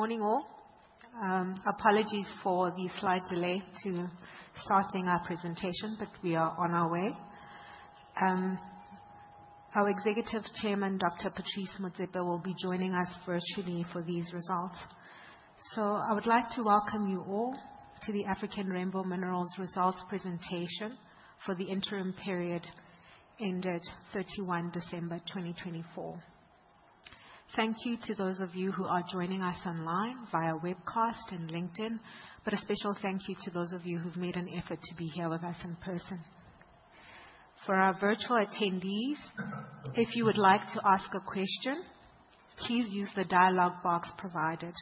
Good morning, all. Apologies for the slight delay to starting our presentation, but we are on our way. Our Executive Chairman, Dr. Patrice Motsepe, will be joining us virtually for these results. I would like to welcome you all to the African Rainbow Minerals Results Presentation for the interim period ended 31 December 2024. Thank you to those of you who are joining us online via webcast and LinkedIn, but a special thank you to those of you who have made an effort to be here with us in person. For our virtual attendees, if you would like to ask a question, please use the dialogue box provided.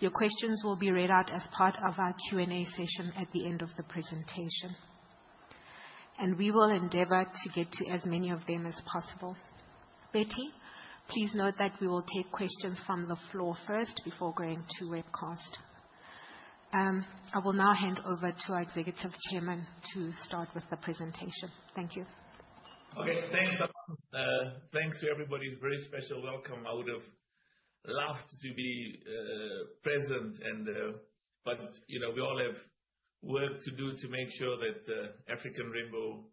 Your questions will be read out as part of our Q&A session at the end of the presentation, and we will endeavor to get to as many of them as possible. Betty, please note that we will take questions from the floor first before going to webcast. I will now hand over to our Executive Chairman to start with the presentation. Thank you. Okay, thanks, thanks to everybody. Very special welcome. I would have loved to be present, but you know we all have work to do to make sure that African Rainbow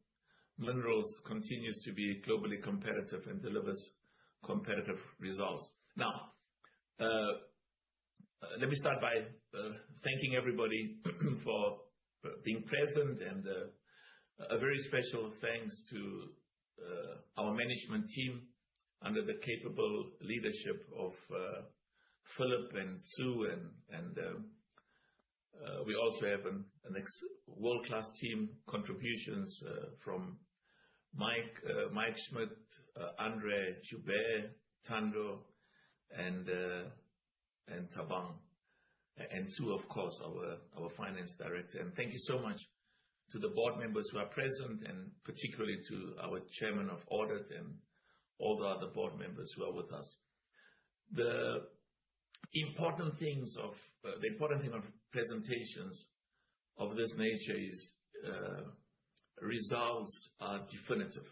Minerals continues to be globally competitive and delivers competitive results. Now, let me start by thanking everybody for being present, and a very special thanks to our management team under the capable leadership of Philip and Sue. We also have a world-class team, contributions from Mike Schmidt, Andre Joubert, Thando Mkatshana, and Thabang Thlaku, and Sue, of course, our Finance Director. Thank you so much to the board members who are present, and particularly to our Chairman of Audit and all the other board members who are with us. The important thing of presentations of this nature is results are definitive.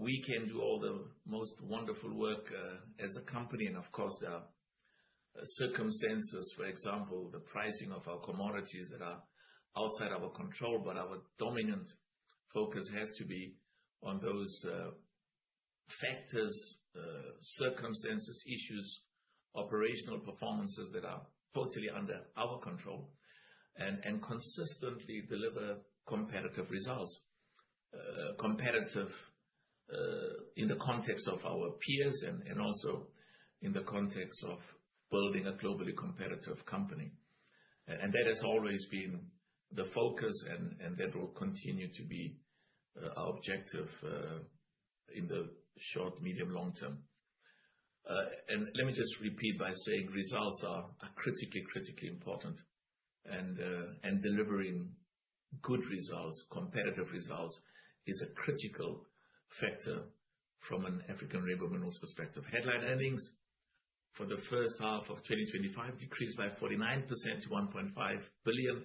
We can do all the most wonderful work as a company, and of course, there are circumstances, for example, the pricing of our commodities that are outside our control, but our dominant focus has to be on those factors, circumstances, issues, operational performances that are totally under our control and consistently deliver competitive results, competitive in the context of our peers and also in the context of building a globally competitive company. That has always been the focus, and that will continue to be our objective in the short, medium, long term. Let me just repeat by saying results are critically, critically important, and delivering good results, competitive results is a critical factor from an African Rainbow Minerals perspective. Headline earnings for the first half of 2025 decreased by 49% to 1.5 billion.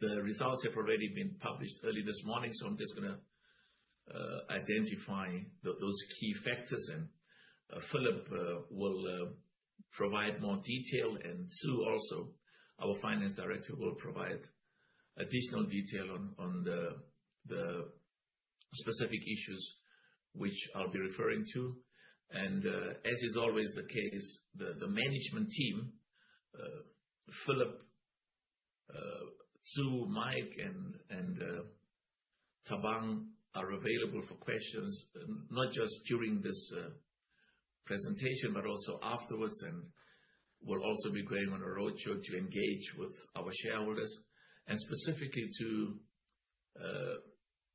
The results have already been published early this morning, so I'm just going to identify those key factors, and Philip will provide more detail, and Sue also, our Finance Director, will provide additional detail on the specific issues which I'll be referring to. As is always the case, the management team, Philip, Sue, Mike, and Thabang are available for questions, not just during this presentation, but also afterwards, and will also be going on a roadshow to engage with our shareholders and specifically to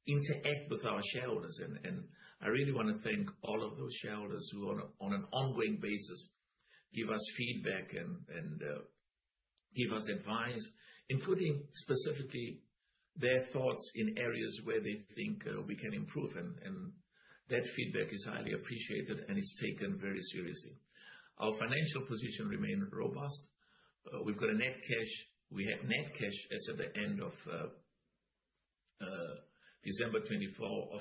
interact with our shareholders. I really want to thank all of those shareholders who on an ongoing basis give us feedback and give us advice, including specifically their thoughts in areas where they think we can improve. That feedback is highly appreciated, and it's taken very seriously. Our financial position remained robust. We've got a net cash. We had net cash as of the end of December 2024 of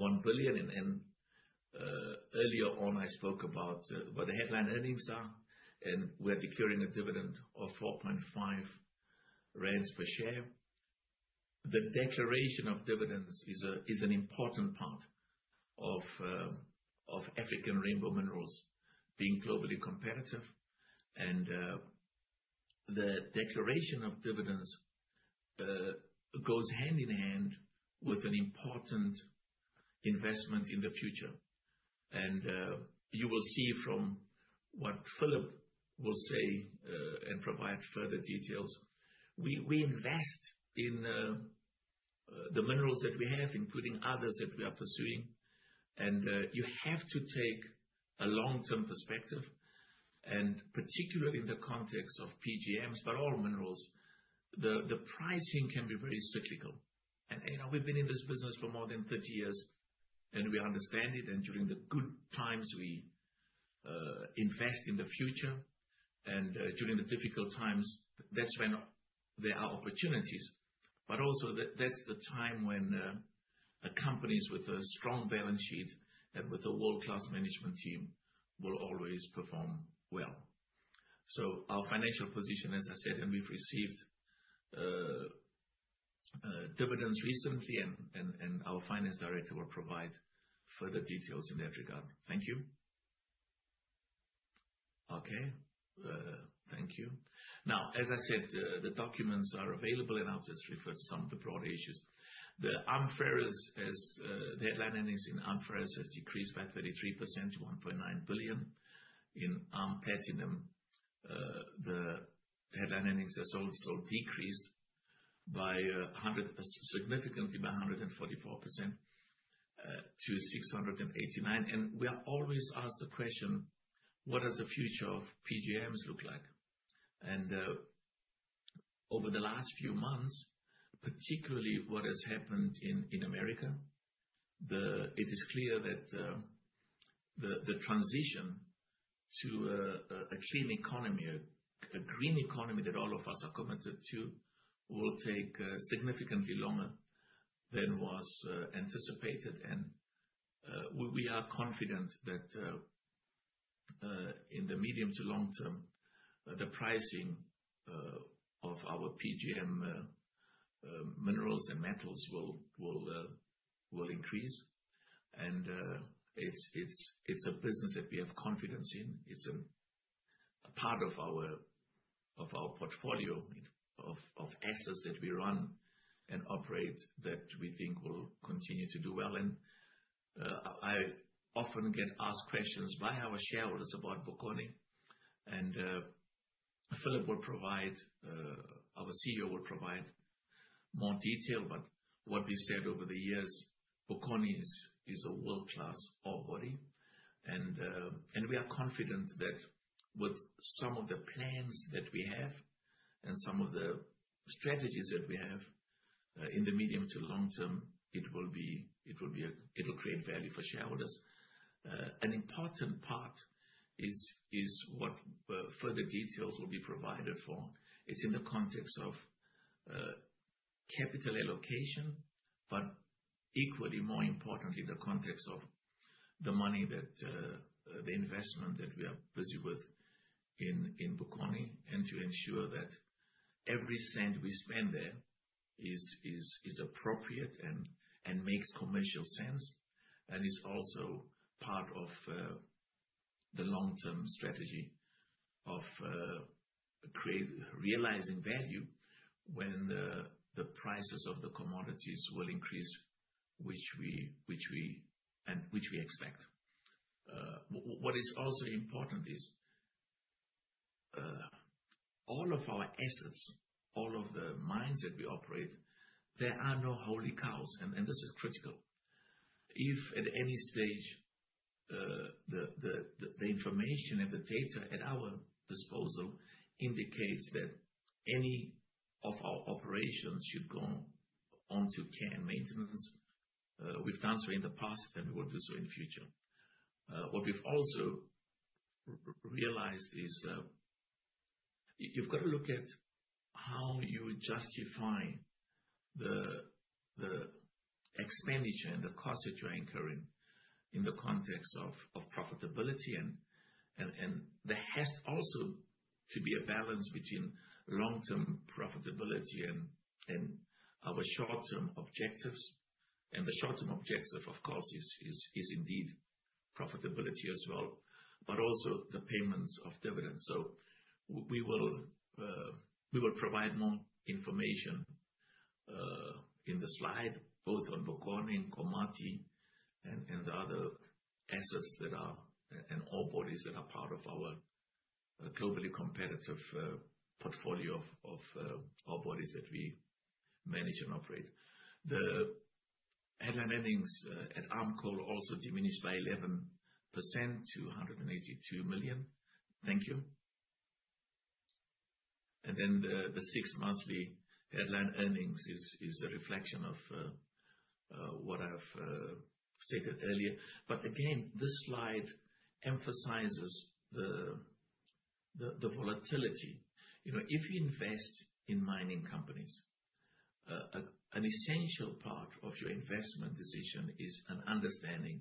6.1 billion. Earlier on, I spoke about what the headline earnings are, and we are declaring a dividend of 4.5 rand per share. The declaration of dividends is an important part of African Rainbow Minerals being globally competitive, and the declaration of dividends goes hand in hand with an important investment in the future. You will see from what Philip will say and provide further details. We invest in the minerals that we have, including others that we are pursuing, and you have to take a long-term perspective. Particularly in the context of PGMs, but all minerals, the pricing can be very cyclical. We have been in this business for more than 30 years, and we understand it. During the good times, we invest in the future, and during the difficult times, that is when there are opportunities. Also, that is the time when companies with a strong balance sheet and with a world-class management team will always perform well. Our financial position, as I said, and we have received dividends recently, and our Finance Director will provide further details in that regard. Thank you. Okay, thank you. Now, as I said, the documents are available, and I will just refer to some of the broader issues. The headline earnings in ARM Ferrous has decreased by 33% to 1.9 billion. In ARM Platinum, the headline earnings have also decreased significantly by 144% to 689 million. We are always asked the question, what does the future of PGMs look like? Over the last few months, particularly what has happened in America, it is clear that the transition to a clean economy, a green economy that all of us are committed to, will take significantly longer than was anticipated. We are confident that in the medium to long term, the pricing of our PGM minerals and metals will increase. It is a business that we have confidence in. It is a part of our portfolio of assets that we run and operate that we think will continue to do well. I often get asked questions by our shareholders about Bokoni, and Philip will provide, our CEO will provide more detail, but what we have said over the years, Bokoni is a world-class ore body. We are confident that with some of the plans that we have and some of the strategies that we have in the medium to long term, it will create value for shareholders. An important part is what further details will be provided for. It is in the context of capital allocation, but equally more importantly, the context of the money, the investment that we are busy with in Bokoni, and to ensure that every cent we spend there is appropriate and makes commercial sense. It is also part of the long-term strategy of realizing value when the prices of the commodities will increase, which we expect. What is also important is all of our assets, all of the mines that we operate, there are no holy cows, and this is critical. If at any stage the information and the data at our disposal indicates that any of our operations should go on to care and maintenance, we've done so in the past and we will do so in the future. What we've also realized is you've got to look at how you justify the expenditure and the cost that you're incurring in the context of profitability. There has also to be a balance between long-term profitability and our short-term objectives. The short-term objective, of course, is indeed profitability as well, but also the payments of dividends. We will provide more information in the slide, both on Bokoni, Nkomati, and other assets that are and ore bodies that are part of our globally competitive portfolio of ore bodies that we manage and operate. The headline earnings at ARM Coal also diminished by 11% to 182 million. Thank you. The six-monthly headline earnings is a reflection of what I've stated earlier. This slide emphasizes the volatility. If you invest in mining companies, an essential part of your investment decision is an understanding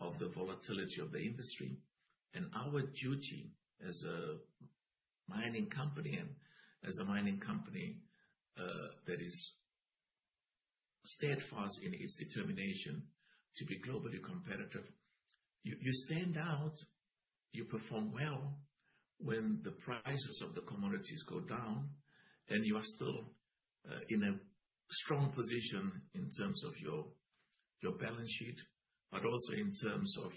of the volatility of the industry. Our duty as a mining company and as a mining company that is steadfast in its determination to be globally competitive, you stand out, you perform well when the prices of the commodities go down, and you are still in a strong position in terms of your balance sheet, but also in terms of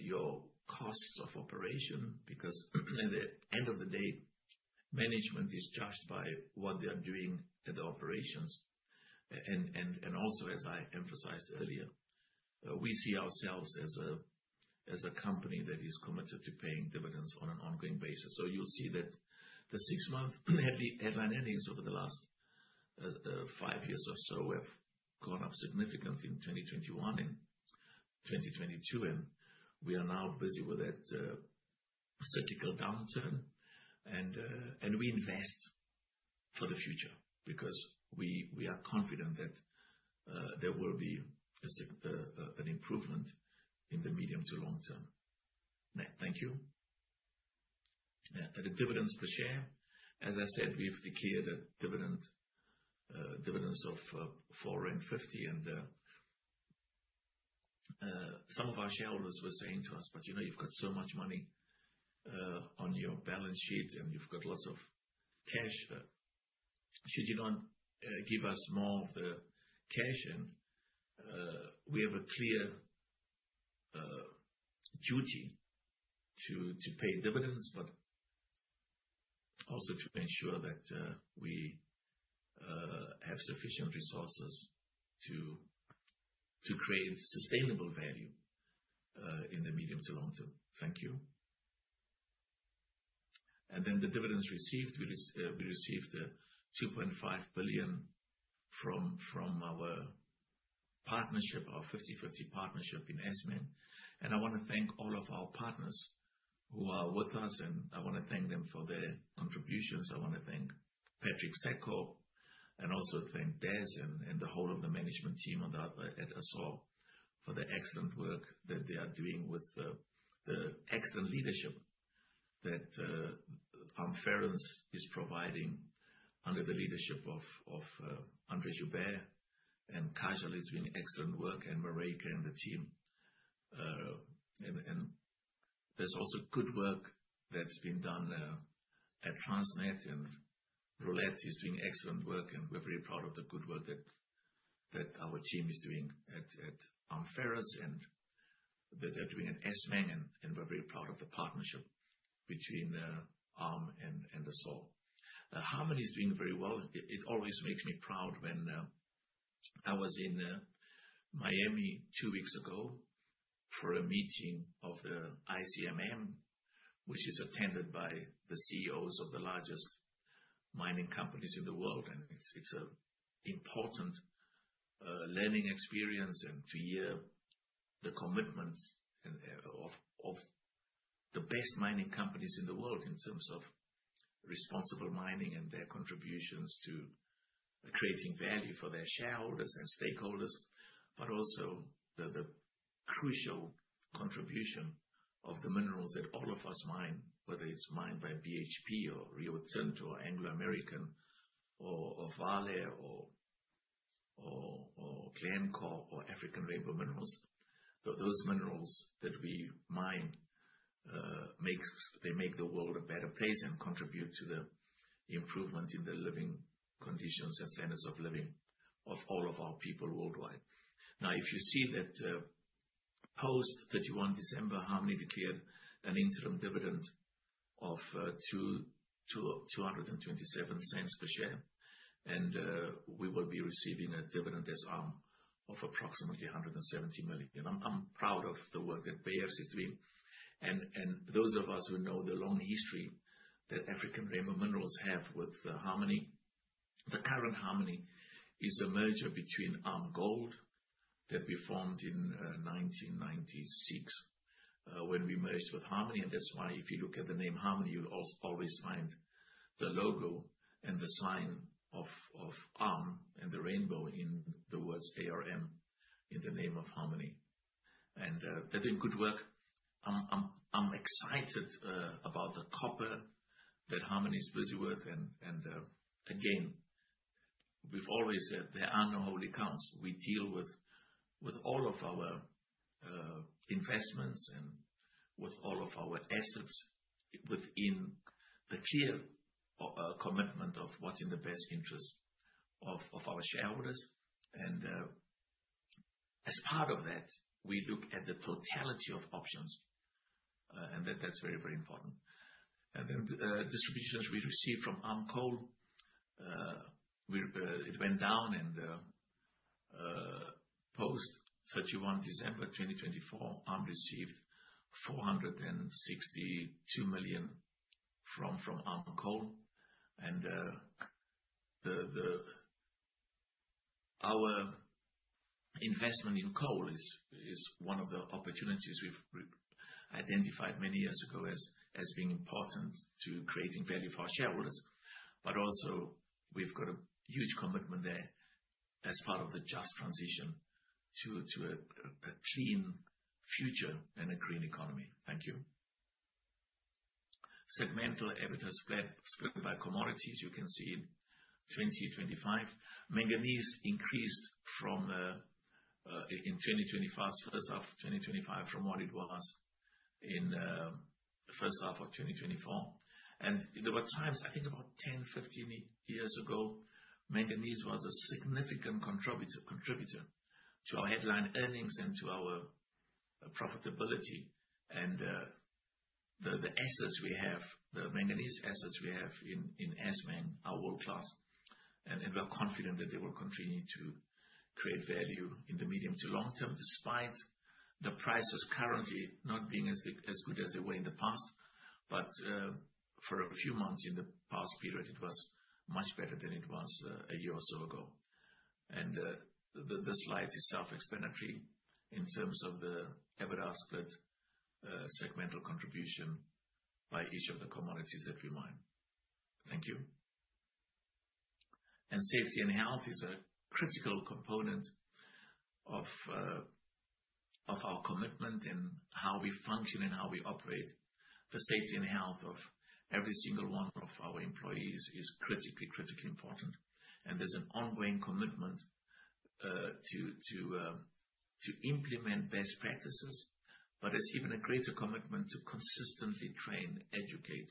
your costs of operation, because at the end of the day, management is judged by what they are doing at the operations. Also, as I emphasized earlier, we see ourselves as a company that is committed to paying dividends on an ongoing basis. You will see that the six-month headline earnings over the last five years or so have gone up significantly in 2021 and 2022, and we are now busy with that cyclical downturn. We invest for the future because we are confident that there will be an improvement in the medium to long term. Thank you. The dividends per share, as I said, we have declared a dividend of ZAR 4.50. Some of our shareholders were saying to us, "But you know you have got so much money on your balance sheet and you have got lots of cash. Should you not give us more of the cash?" We have a clear duty to pay dividends, but also to ensure that we have sufficient resources to create sustainable value in the medium to long term. Thank you. The dividends received, we received 2.5 billion from our partnership, our 50-50 partnership in Assmang. I want to thank all of our partners who are with us, and I want to thank them for their contributions. I want to thank Patrice Motsepe and also thank Des and the whole of the management team at Assore for the excellent work that they are doing with the excellent leadership that ARM Ferrous is providing under the leadership of Andre Joubert, and Kajal is doing excellent work, and Mhlanga and the team. There is also good work that has been done at Transnet, and Roulette is doing excellent work, and we are very proud of the good work that our team is doing at ARM Ferrous, and they are doing at Assmang, and we are very proud of the partnership between ARM and Assore. Harmony is doing very well. It always makes me proud when I was in Miami two weeks ago for a meeting of the ICMM, which is attended by the CEOs of the largest mining companies in the world. It is an important learning experience to hear the commitments of the best mining companies in the world in terms of responsible mining and their contributions to creating value for their shareholders and stakeholders, but also the crucial contribution of the minerals that all of us mine, whether it is mined by BHP or Rio Tinto or Anglo American or Vale or Glencore or African Rainbow Minerals. Those minerals that we mine, they make the world a better place and contribute to the improvement in the living conditions and standards of living of all of our people worldwide. Now, if you see that post-31 December, Harmony declared an interim dividend of 2.27 per share, and we will be receiving a dividend as ARM of approximately 170 million. I'm proud of the work that Peter Steenkamp is doing. Those of us who know the long history that African Rainbow Minerals have with Harmony, the current Harmony is a merger between ARM Gold that we formed in 1996 when we merged with Harmony. That is why if you look at the name Harmony, you'll always find the logo and the sign of ARM and the rainbow in the words ARM in the name of Harmony. They are doing good work. I'm excited about the copper that Harmony is busy with. Again, we've always said there are no holy cows. We deal with all of our investments and with all of our assets within a clear commitment of what's in the best interest of our shareholders. As part of that, we look at the totality of options, and that's very, very important. Distributions we received from AMCOL, it went down. Post-31 December 2024, ARM received 462 million from AMCOL. Our investment in coal is one of the opportunities we've identified many years ago as being important to creating value for our shareholders. Also, we've got a huge commitment there as part of the just transition to a clean future and a green economy. Thank you. Segmental EBITDA split by commodities, you can see in 2025. Manganese increased in 2021, first half of 2025, from what it was in the first half of 2024. There were times, I think about 10-15 years ago, manganese was a significant contributor to our headline earnings and to our profitability. The assets we have, the manganese assets we have in Assmang, are world-class. We are confident that they will continue to create value in the medium to long term, despite the prices currently not being as good as they were in the past. For a few months in the past period, it was much better than it was a year or so ago. The slide is self-explanatory in terms of the EBITDA split segmental contribution by each of the commodities that we mine. Thank you. Safety and health is a critical component of our commitment and how we function and how we operate. The safety and health of every single one of our employees is critically, critically important. There is an ongoing commitment to implement best practices, but there is even a greater commitment to consistently train, educate,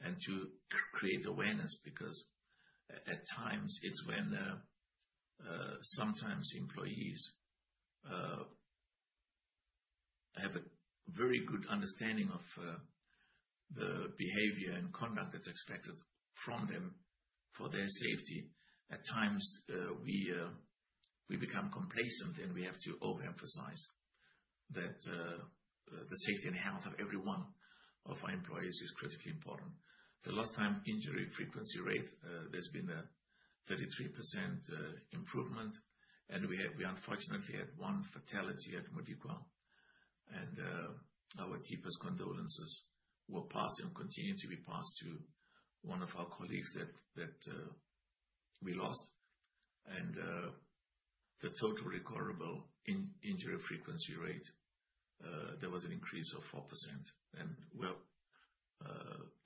and to create awareness because at times it is when sometimes employees have a very good understanding of the behavior and conduct that is expected from them for their safety. At times, we become complacent and we have to overemphasize that the safety and health of every one of our employees is critically important. The lost time injury frequency rate, there has been a 33% improvement, and we unfortunately had one fatality at Modikwa. Our deepest condolences were passed and continue to be passed to one of our colleagues that we lost. The total recoverable injury frequency rate, there was an increase of 4%.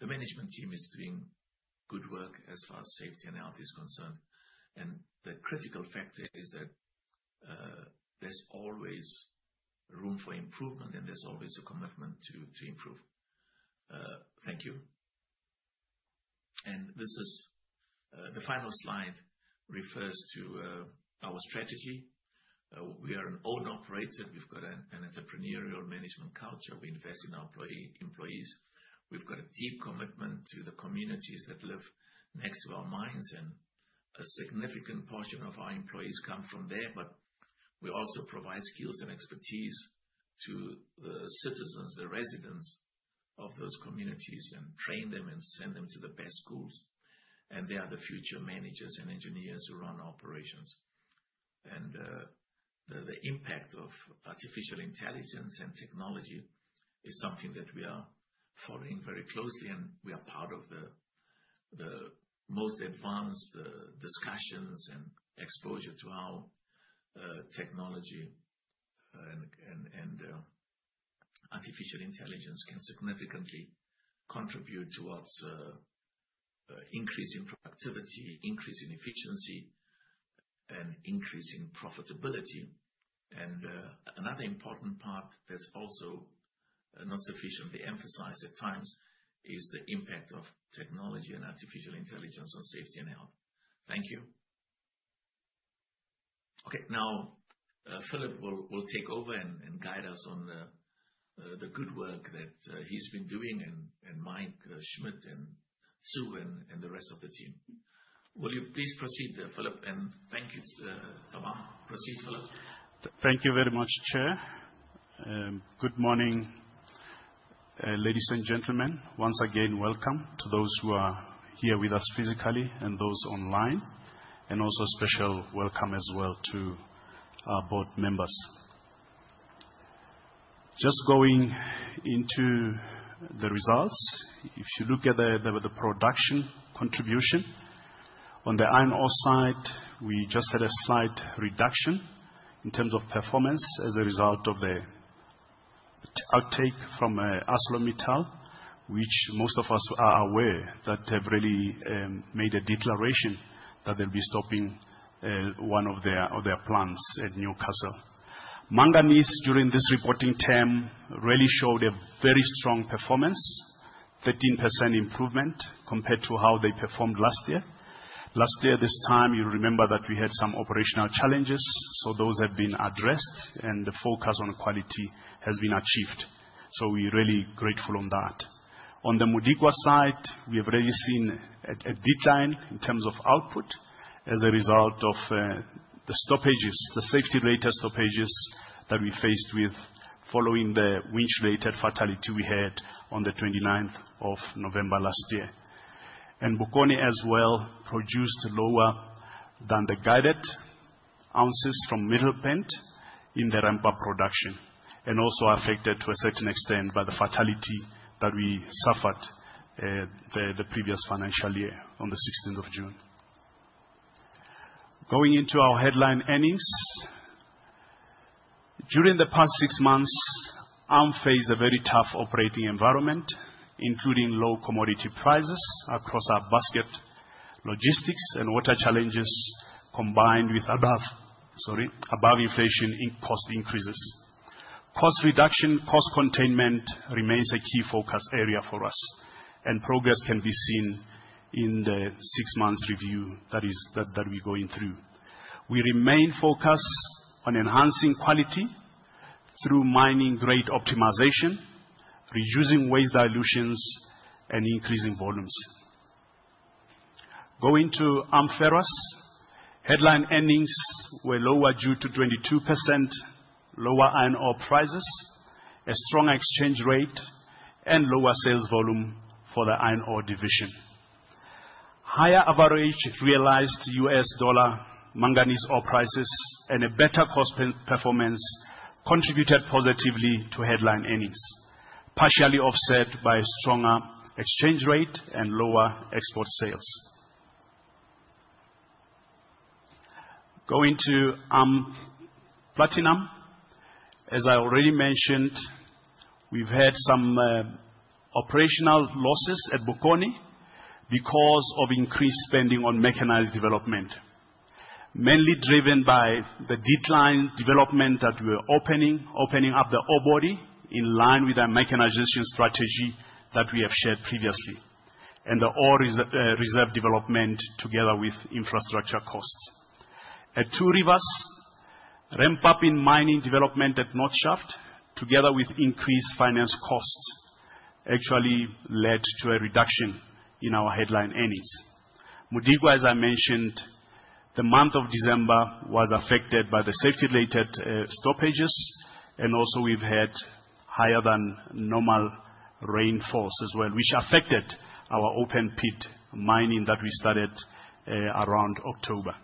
The management team is doing good work as far as safety and health is concerned. The critical factor is that there's always room for improvement and there's always a commitment to improve. Thank you. The final slide refers to our strategy. We are an owned operator. We've got an entrepreneurial management culture. We invest in our employees. We've got a deep commitment to the communities that live next to our mines. A significant portion of our employees come from there, but we also provide skills and expertise to the citizens, the residents of those communities, and train them and send them to the best schools. They are the future managers and engineers who run operations. The impact of artificial intelligence and technology is something that we are following very closely, and we are part of the most advanced discussions and exposure to how technology and artificial intelligence can significantly contribute towards increasing productivity, increasing efficiency, and increasing profitability. Another important part that's also not sufficiently emphasized at times is the impact of technology and artificial intelligence on safety and health. Thank you. Okay. Now, Philip will take over and guide us on the good work that he's been doing and Mike Schmidt and Sue and the rest of the team. Will you please proceed, Philip? Thank you, Thabang. Proceed, Philip. Thank you very much, Chair. Good morning, ladies and gentlemen. Once again, welcome to those who are here with us physically and those online. Also a special welcome as well to our board members. Just going into the results, if you look at the production contribution, on the INOS side, we just had a slight reduction in terms of performance as a result of the outtake from ArcelorMittal, which most of us are aware that they've really made a declaration that they'll be stopping one of their plants at Newcastle. Manganese, during this reporting term, really showed a very strong performance, 13% improvement compared to how they performed last year. Last year, this time, you remember that we had some operational challenges, so those have been addressed and the focus on quality has been achieved. We're really grateful on that. On the Modikwa side, we have really seen a decline in terms of output as a result of the safety-related stoppages that we faced with following the winch-related fatality we had on the 29th of November last year. Bokoni as well produced lower than the guided ounces from Middle Pint in the Rampa production, and also affected to a certain extent by the fatality that we suffered the previous financial year on the 16th of June. Going into our headline earnings, during the past six months, ARM faced a very tough operating environment, including low commodity prices across our basket, logistics and water challenges combined with above inflation cost increases. Cost reduction, cost containment remains a key focus area for us, and progress can be seen in the six-month review that we're going through. We remain focused on enhancing quality through mining-grade optimization, reducing waste dilutions, and increasing volumes. Going to ARM Ferrous, headline earnings were lower due to 22% lower iron ore prices, a stronger exchange rate, and lower sales volume for the iron ore division. Higher average realized US dollar manganese ore prices and a better cost performance contributed positively to headline earnings, partially offset by a stronger exchange rate and lower export sales. Going to Platinum, as I already mentioned, we've had some operational losses at Bokoni because of increased spending on mechanized development, mainly driven by the decline development that we're opening up the ore body in line with our mechanization strategy that we have shared previously, and the ore reserve development together with infrastructure costs. At Two Rivers, ramp-up in mining development at North Shaft, together with increased finance costs, actually led to a reduction in our headline earnings. Modikwa, as I mentioned, the month of December was affected by the safety-related stoppages, and also we've had higher than normal rainfalls as well, which affected our open pit mining that we started around October.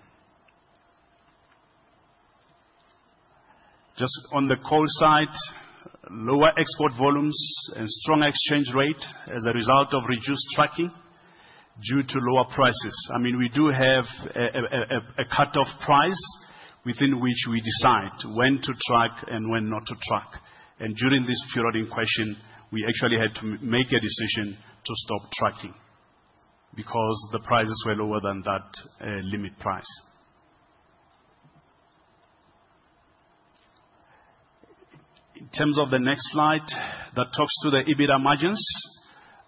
Just on the coal side, lower export volumes and strong exchange rate as a result of reduced trucking due to lower prices. I mean, we do have a cut-off price within which we decide when to truck and when not to truck. During this period in question, we actually had to make a decision to stop trucking because the prices were lower than that limit price. In terms of the next slide that talks to the EBITDA margins,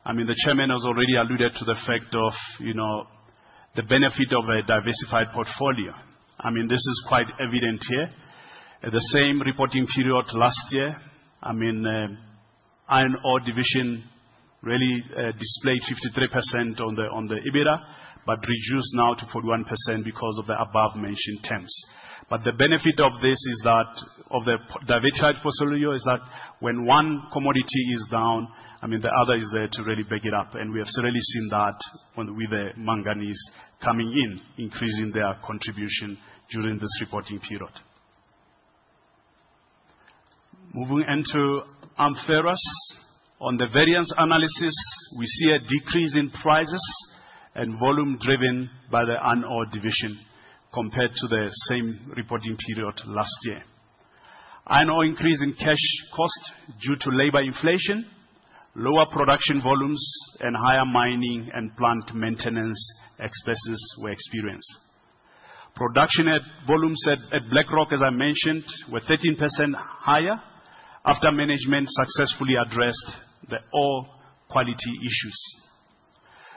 I mean, the Chairman has already alluded to the fact of the benefit of a diversified portfolio. I mean, this is quite evident here. At the same reporting period last year, I mean, INO division really displayed 53% on the EBITDA, but reduced now to 41% because of the above-mentioned terms. The benefit of this is that the diversified portfolio is that when one commodity is down, I mean, the other is there to really back it up. We have really seen that with the manganese coming in, increasing their contribution during this reporting period. Moving into AMFERROUS, on the variance analysis, we see a decrease in prices and volume driven by the INO division compared to the same reporting period last year. INO increase in cash cost due to labor inflation, lower production volumes, and higher mining and plant maintenance expenses were experienced. Production volumes at Black Rock, as I mentioned, were 13% higher after management successfully addressed the ore quality issues.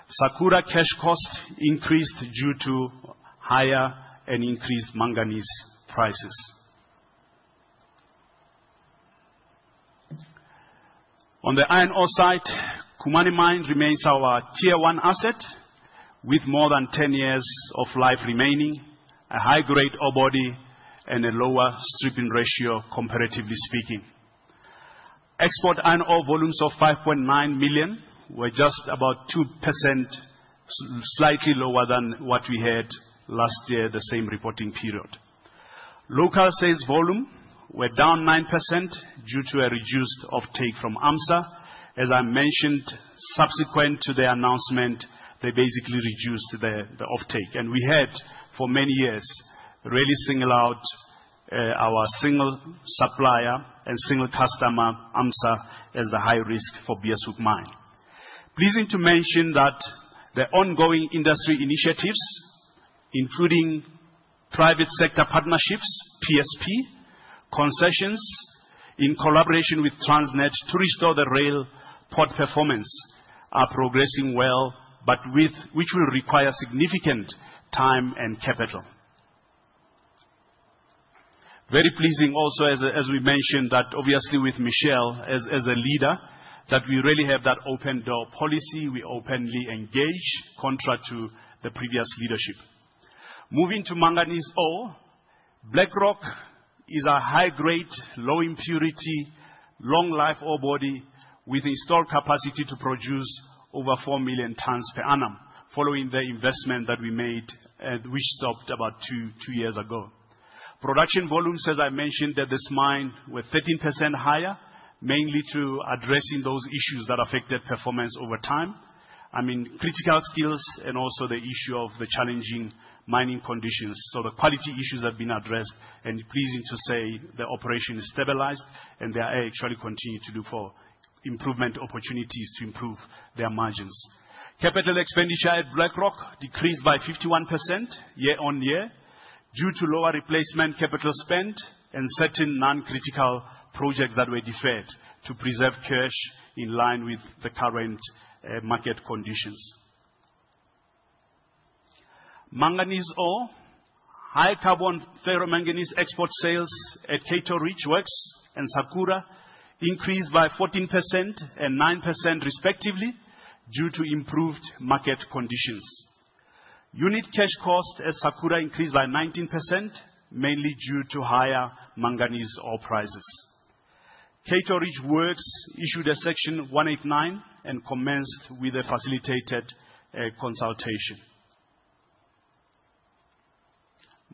Sakura cash cost increased due to higher and increased manganese prices. On the iron ore side, Khumani Mine remains our tier one asset with more than 10 years of life remaining, a high-grade ore body, and a lower stripping ratio, comparatively speaking. Export iron ore volumes of 5.9 million were just about 2% slightly lower than what we had last year, the same reporting period. Local sales volume were down 9% due to a reduced offtake from ArcelorMittal South Africa. As I mentioned, subsequent to the announcement, they basically reduced the offtake. We had for many years really singled out our single supplier and single customer, ArcelorMittal South Africa, as the high risk for Beeshoek Mine. Pleasing to mention that the ongoing industry initiatives, including private sector partnerships, PSP, concessions in collaboration with Transnet to restore the rail port performance, are progressing well, which will require significant time and capital. Very pleasing also, as we mentioned, that obviously with Michelle as a leader, that we really have that open door policy. We openly engage, contrary to the previous leadership. Moving to manganese ore, Black Rock is a high-grade, low-impurity, long-life ore body with installed capacity to produce over 4 million tons per annum, following the investment that we made and which stopped about two years ago. Production volumes, as I mentioned, at this mine were 13% higher, mainly due to addressing those issues that affected performance over time. I mean, critical skills and also the issue of the challenging mining conditions. The quality issues have been addressed. It is pleasing to say the operation is stabilized and they are actually continuing to look for improvement opportunities to improve their margins. Capital expenditure at Black Rock decreased by 51% year on year due to lower replacement capital spent and certain non-critical projects that were deferred to preserve cash in line with the current market conditions. Manganese ore, high-carbon ferromanganese export sales at Cato Ridge Works and Sakura increased by 14% and 9% respectively due to improved market conditions. Unit cash cost at Sakura increased by 19%, mainly due to higher manganese ore prices. Cato Ridge Works issued a section 189 and commenced with a facilitated consultation.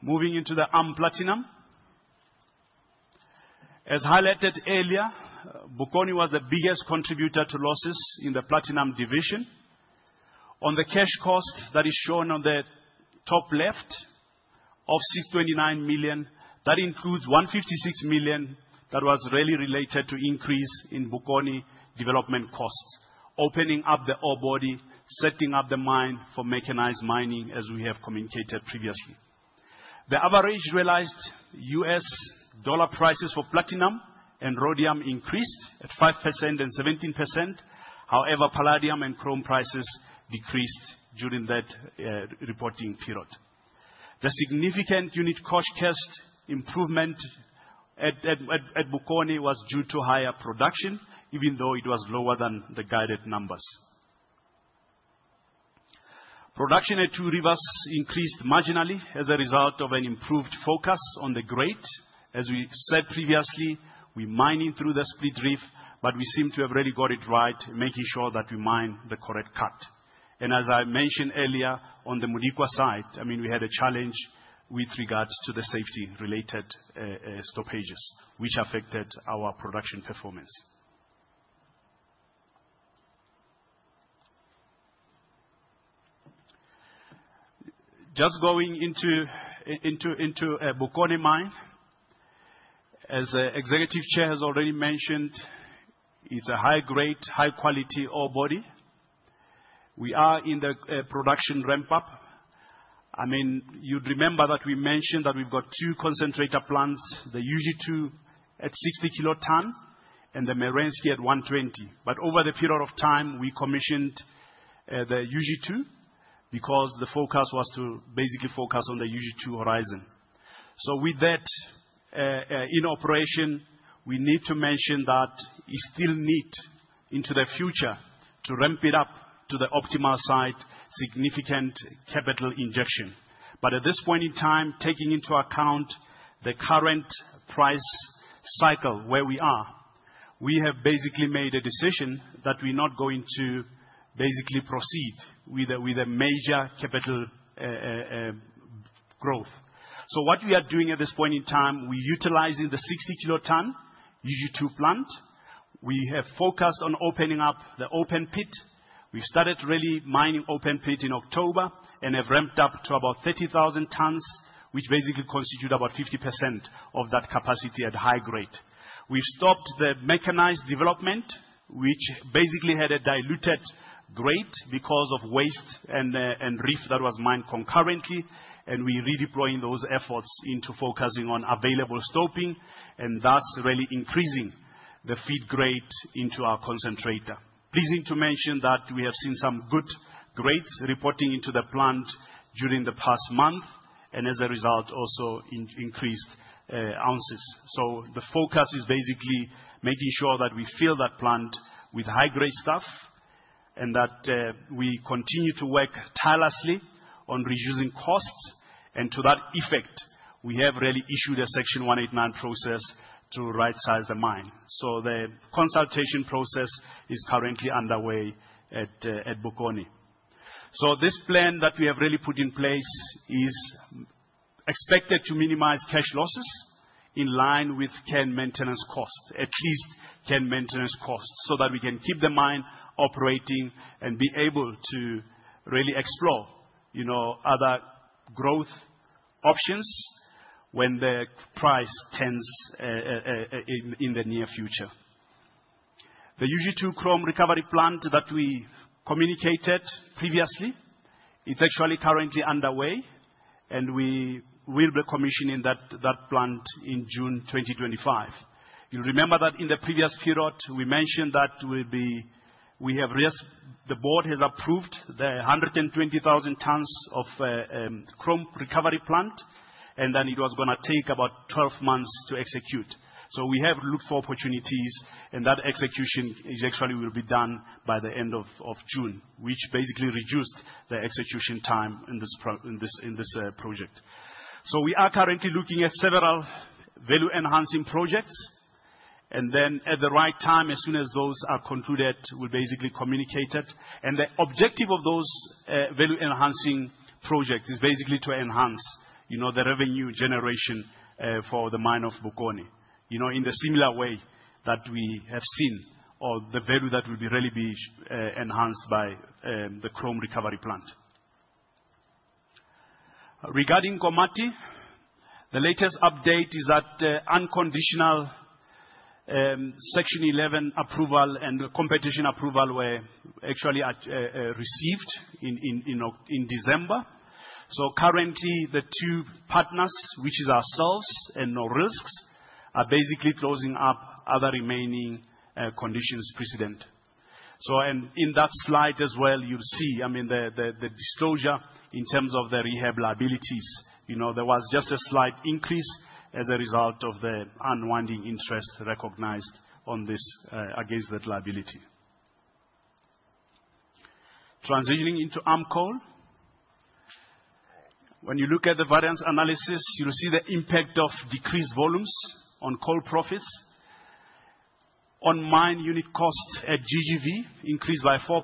Moving into the ARM Platinum. As highlighted earlier, Bokoni was the biggest contributor to losses in the Platinum division. On the cash cost that is shown on the top left of 629 million, that includes 156 million that was really related to increase in Bokoni development costs, opening up the ore body, setting up the mine for mechanized mining, as we have communicated previously. The average realized US dollar prices for platinum and rhodium increased at 5% and 17%. However, palladium and chrome prices decreased during that reporting period. The significant unit cost improvement at Bokoni was due to higher production, even though it was lower than the guided numbers. Production at Two Rivers increased marginally as a result of an improved focus on the grade. As we said previously, we are mining through the split reef, but we seem to have really got it right, making sure that we mine the correct cut. As I mentioned earlier, on the Modikwa side, I mean, we had a challenge with regards to the safety-related stoppages, which affected our production performance. Just going into Bokoni mine, as the Executive Chair has already mentioned, it is a high-grade, high-quality ore body. We are in the production ramp-up. I mean, you'd remember that we mentioned that we've got two concentrator plants, the UG2 at 60 kiloton and the Merensky at 120. Over the period of time, we commissioned the UG2 because the focus was to basically focus on the UG2 horizon. With that in operation, we need to mention that we still need into the future to ramp it up to the optimal side, significant capital injection. At this point in time, taking into account the current price cycle where we are, we have basically made a decision that we're not going to basically proceed with a major capital growth. What we are doing at this point in time, we're utilizing the 60 kiloton UG2 plant. We have focused on opening up the open pit. We've started really mining open pit in October and have ramped up to about 30,000 tons, which basically constitutes about 50% of that capacity at high grade. We've stopped the mechanized development, which basically had a diluted grade because of waste and reef that was mined concurrently. We're redeploying those efforts into focusing on available stoping and thus really increasing the feed grade into our concentrator. Pleasing to mention that we have seen some good grades reporting into the plant during the past month and as a result, also increased ounces. The focus is basically making sure that we fill that plant with high-grade stuff and that we continue to work tirelessly on reducing costs. To that effect, we have really issued a section 189 process to right-size the mine. The consultation process is currently underway at Bokoni. This plan that we have really put in place is expected to minimize cash losses in line with care and maintenance costs, at least care and maintenance costs, so that we can keep the mine operating and be able to really explore other growth options when the price tends in the near future. The UG2 Chrome recovery plant that we communicated previously, it's actually currently underway, and we will be commissioning that plant in June 2025. You'll remember that in the previous period, we mentioned that we have the board has approved the 120,000 tons of Chrome recovery plant, and then it was going to take about 12 months to execute. We have looked for opportunities, and that execution actually will be done by the end of June, which basically reduced the execution time in this project. We are currently looking at several value-enhancing projects, and then at the right time, as soon as those are concluded, we'll basically communicate it. The objective of those value-enhancing projects is basically to enhance the revenue generation for the mine of Bokoni in the similar way that we have seen or the value that will really be enhanced by the chrome recovery plant. Regarding Nkomati, the latest update is that unconditional section 11 approval and competition approval were actually received in December. Currently, the two partners, which are ourselves and Norilsk, are basically closing up other remaining conditions precedent. In that slide as well, you'll see, I mean, the disclosure in terms of the rehab liabilities. There was just a slight increase as a result of the unwinding interest recognized against that liability. Transitioning into AMCOL, when you look at the variance analysis, you'll see the impact of decreased volumes on coal profits. On mine unit cost at GGV, increased by 4%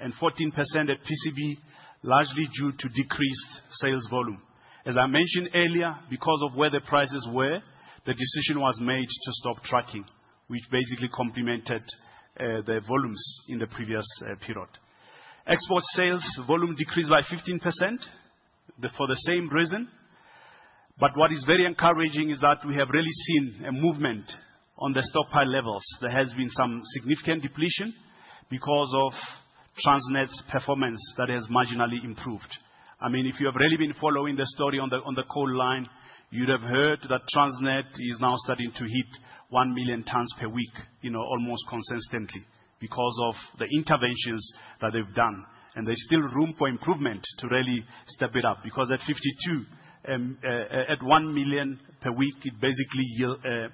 and 14% at PCB, largely due to decreased sales volume. As I mentioned earlier, because of where the prices were, the decision was made to stop tracking, which basically complemented the volumes in the previous period. Export sales volume decreased by 15% for the same reason. What is very encouraging is that we have really seen a movement on the stockpile levels. There has been some significant depletion because of Transnet's performance that has marginally improved. I mean, if you have really been following the story on the coal line, you'd have heard that Transnet is now starting to hit 1 million tons per week, almost consistently, because of the interventions that they've done. There is still room for improvement to really step it up because at 52, at 1 million per week, it basically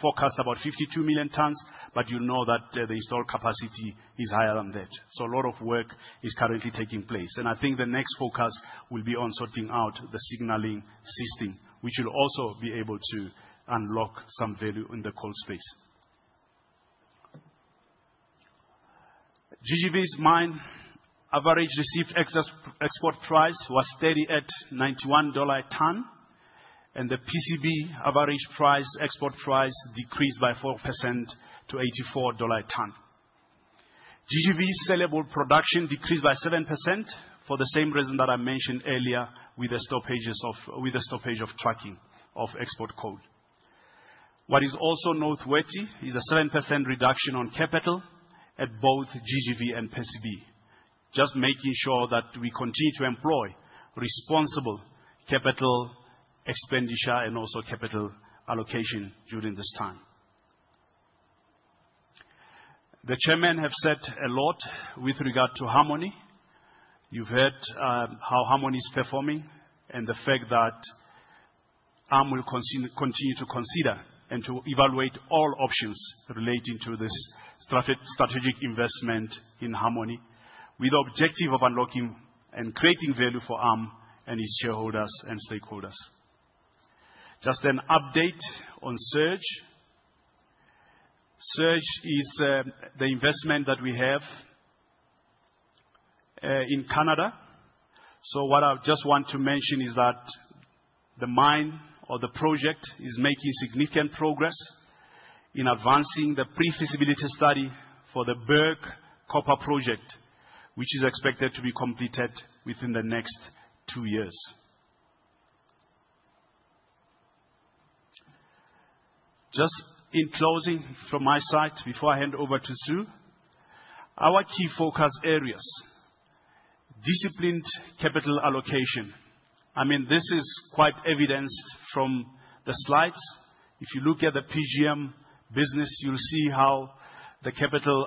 forecasts about 52 million tons. You know that the installed capacity is higher than that. A lot of work is currently taking place. I think the next focus will be on sorting out the signaling system, which will also be able to unlock some value in the coal space. GGV's mine average received export price was steady at $91 a ton, and the PCB average export price decreased by 4% to $84 a ton. GGV's sellable production decreased by 7% for the same reason that I mentioned earlier with the stoppage of tracking of export coal. What is also noteworthy is a 7% reduction on capital at both GGV and PCB, just making sure that we continue to employ responsible capital expenditure and also capital allocation during this time. The Chairmen have said a lot with regard to Harmony. You've heard how Harmony is performing and the fact that ARM will continue to consider and to evaluate all options relating to this strategic investment in Harmony with the objective of unlocking and creating value for ARM and its shareholders and stakeholders. Just an update on Surge. Surge is the investment that we have in Canada. What I just want to mention is that the mine or the project is making significant progress in advancing the pre-feasibility study for the Burke Copper Project, which is expected to be completed within the next two years. Just in closing from my side before I hand over to Sue, our key focus areas, disciplined capital allocation. I mean, this is quite evidenced from the slides. If you look at the PGM business, you'll see how the capital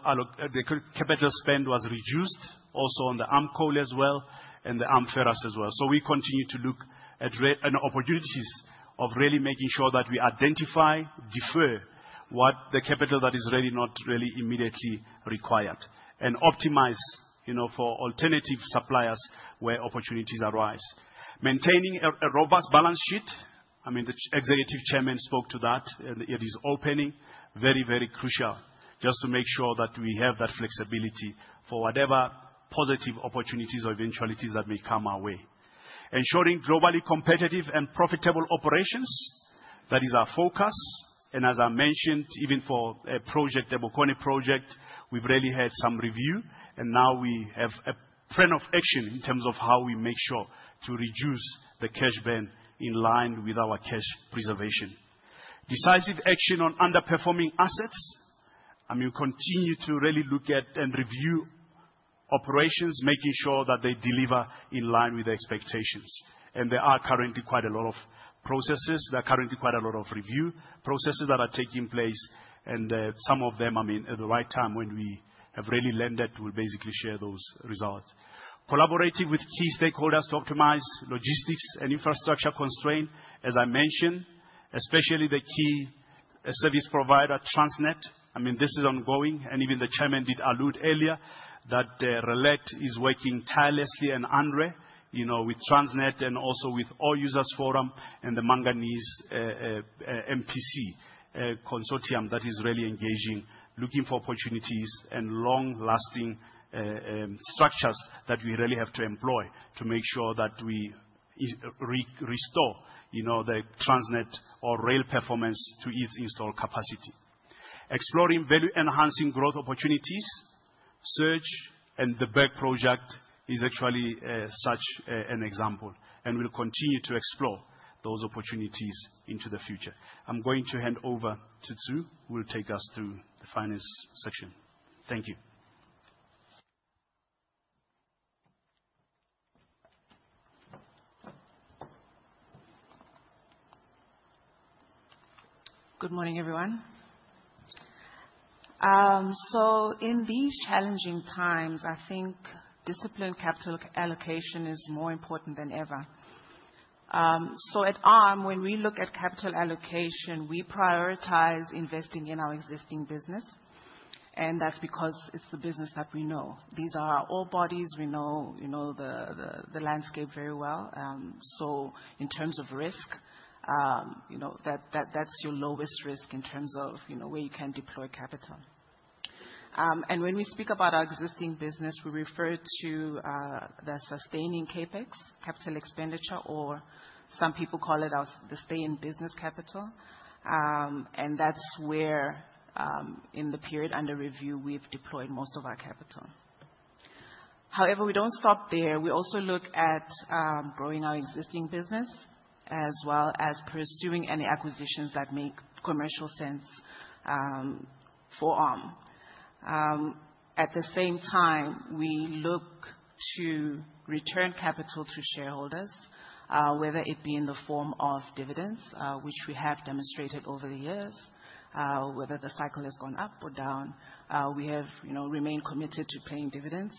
spend was reduced also on the AMCOL as well and the AMFERAS as well. We continue to look at opportunities of really making sure that we identify, defer what the capital that is really not really immediately required, and optimize for alternative suppliers where opportunities arise. Maintaining a robust balance sheet. I mean, the Executive Chairman spoke to that, and it is opening very, very crucial just to make sure that we have that flexibility for whatever positive opportunities or eventualities that may come our way. Ensuring globally competitive and profitable operations, that is our focus. As I mentioned, even for a project, the Bokoni project, we've really had some review, and now we have a plan of action in terms of how we make sure to reduce the cash burn in line with our cash preservation. Decisive action on underperforming assets. I mean, we continue to really look at and review operations, making sure that they deliver in line with expectations. There are currently quite a lot of processes. There are currently quite a lot of review processes that are taking place, and some of them, I mean, at the right time when we have really landed, we'll basically share those results. Collaborating with key stakeholders to optimize logistics and infrastructure constraint, as I mentioned, especially the key service provider, Transnet. I mean, this is ongoing. Even the Chairman did allude earlier that ARM is working tirelessly and in earnest with Transnet and also with All Users Forum and the Manganese MPC consortium that is really engaging, looking for opportunities and long-lasting structures that we really have to employ to make sure that we restore the Transnet or rail performance to its installed capacity. Exploring value-enhancing growth opportunities. Surge and the Burke project is actually such an example, and we will continue to explore those opportunities into the future. I am going to hand over to Sue, who will take us through the finance section. Thank you. Good morning, everyone. In these challenging times, I think disciplined capital allocation is more important than ever. At ARM, when we look at capital allocation, we prioritize investing in our existing business, and that is because it is the business that we know. These are our ore bodies. We know the landscape very well. In terms of risk, that's your lowest risk in terms of where you can deploy capital. When we speak about our existing business, we refer to the sustaining CapEx, capital expenditure, or some people call it the stay-in-business capital. That's where, in the period under review, we've deployed most of our capital. However, we don't stop there. We also look at growing our existing business as well as pursuing any acquisitions that make commercial sense for ARM. At the same time, we look to return capital to shareholders, whether it be in the form of dividends, which we have demonstrated over the years, whether the cycle has gone up or down. We have remained committed to paying dividends,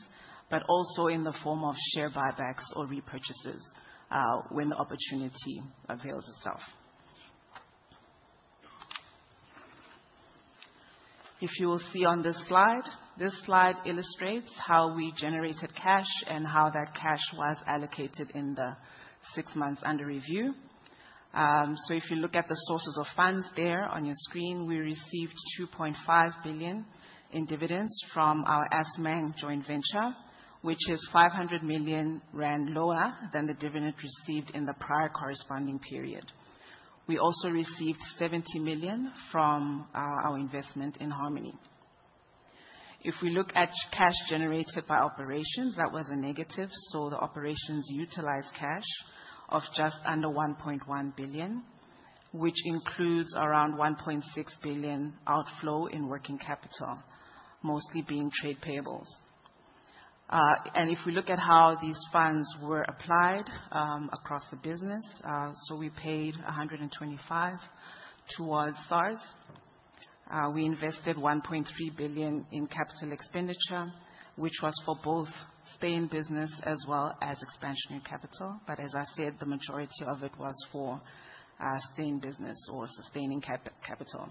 but also in the form of share buybacks or repurchases when the opportunity avails itself. If you will see on this slide, this slide illustrates how we generated cash and how that cash was allocated in the six months under review. If you look at the sources of funds there on your screen, we received 2.5 billion in dividends from our Assmang joint venture, which is 500 million rand lower than the dividend received in the prior corresponding period. We also received 70 million from our investment in Harmony. If we look at cash generated by operations, that was a negative. The operations utilized cash of just under 1.1 billion, which includes around 1.6 billion outflow in working capital, mostly being trade payables. If we look at how these funds were applied across the business, we paid 125 million towards SARS. We invested 1.3 billion in capital expenditure, which was for both stay-in-business as well as expansionary capital. As I said, the majority of it was for stay-in-business or sustaining capital.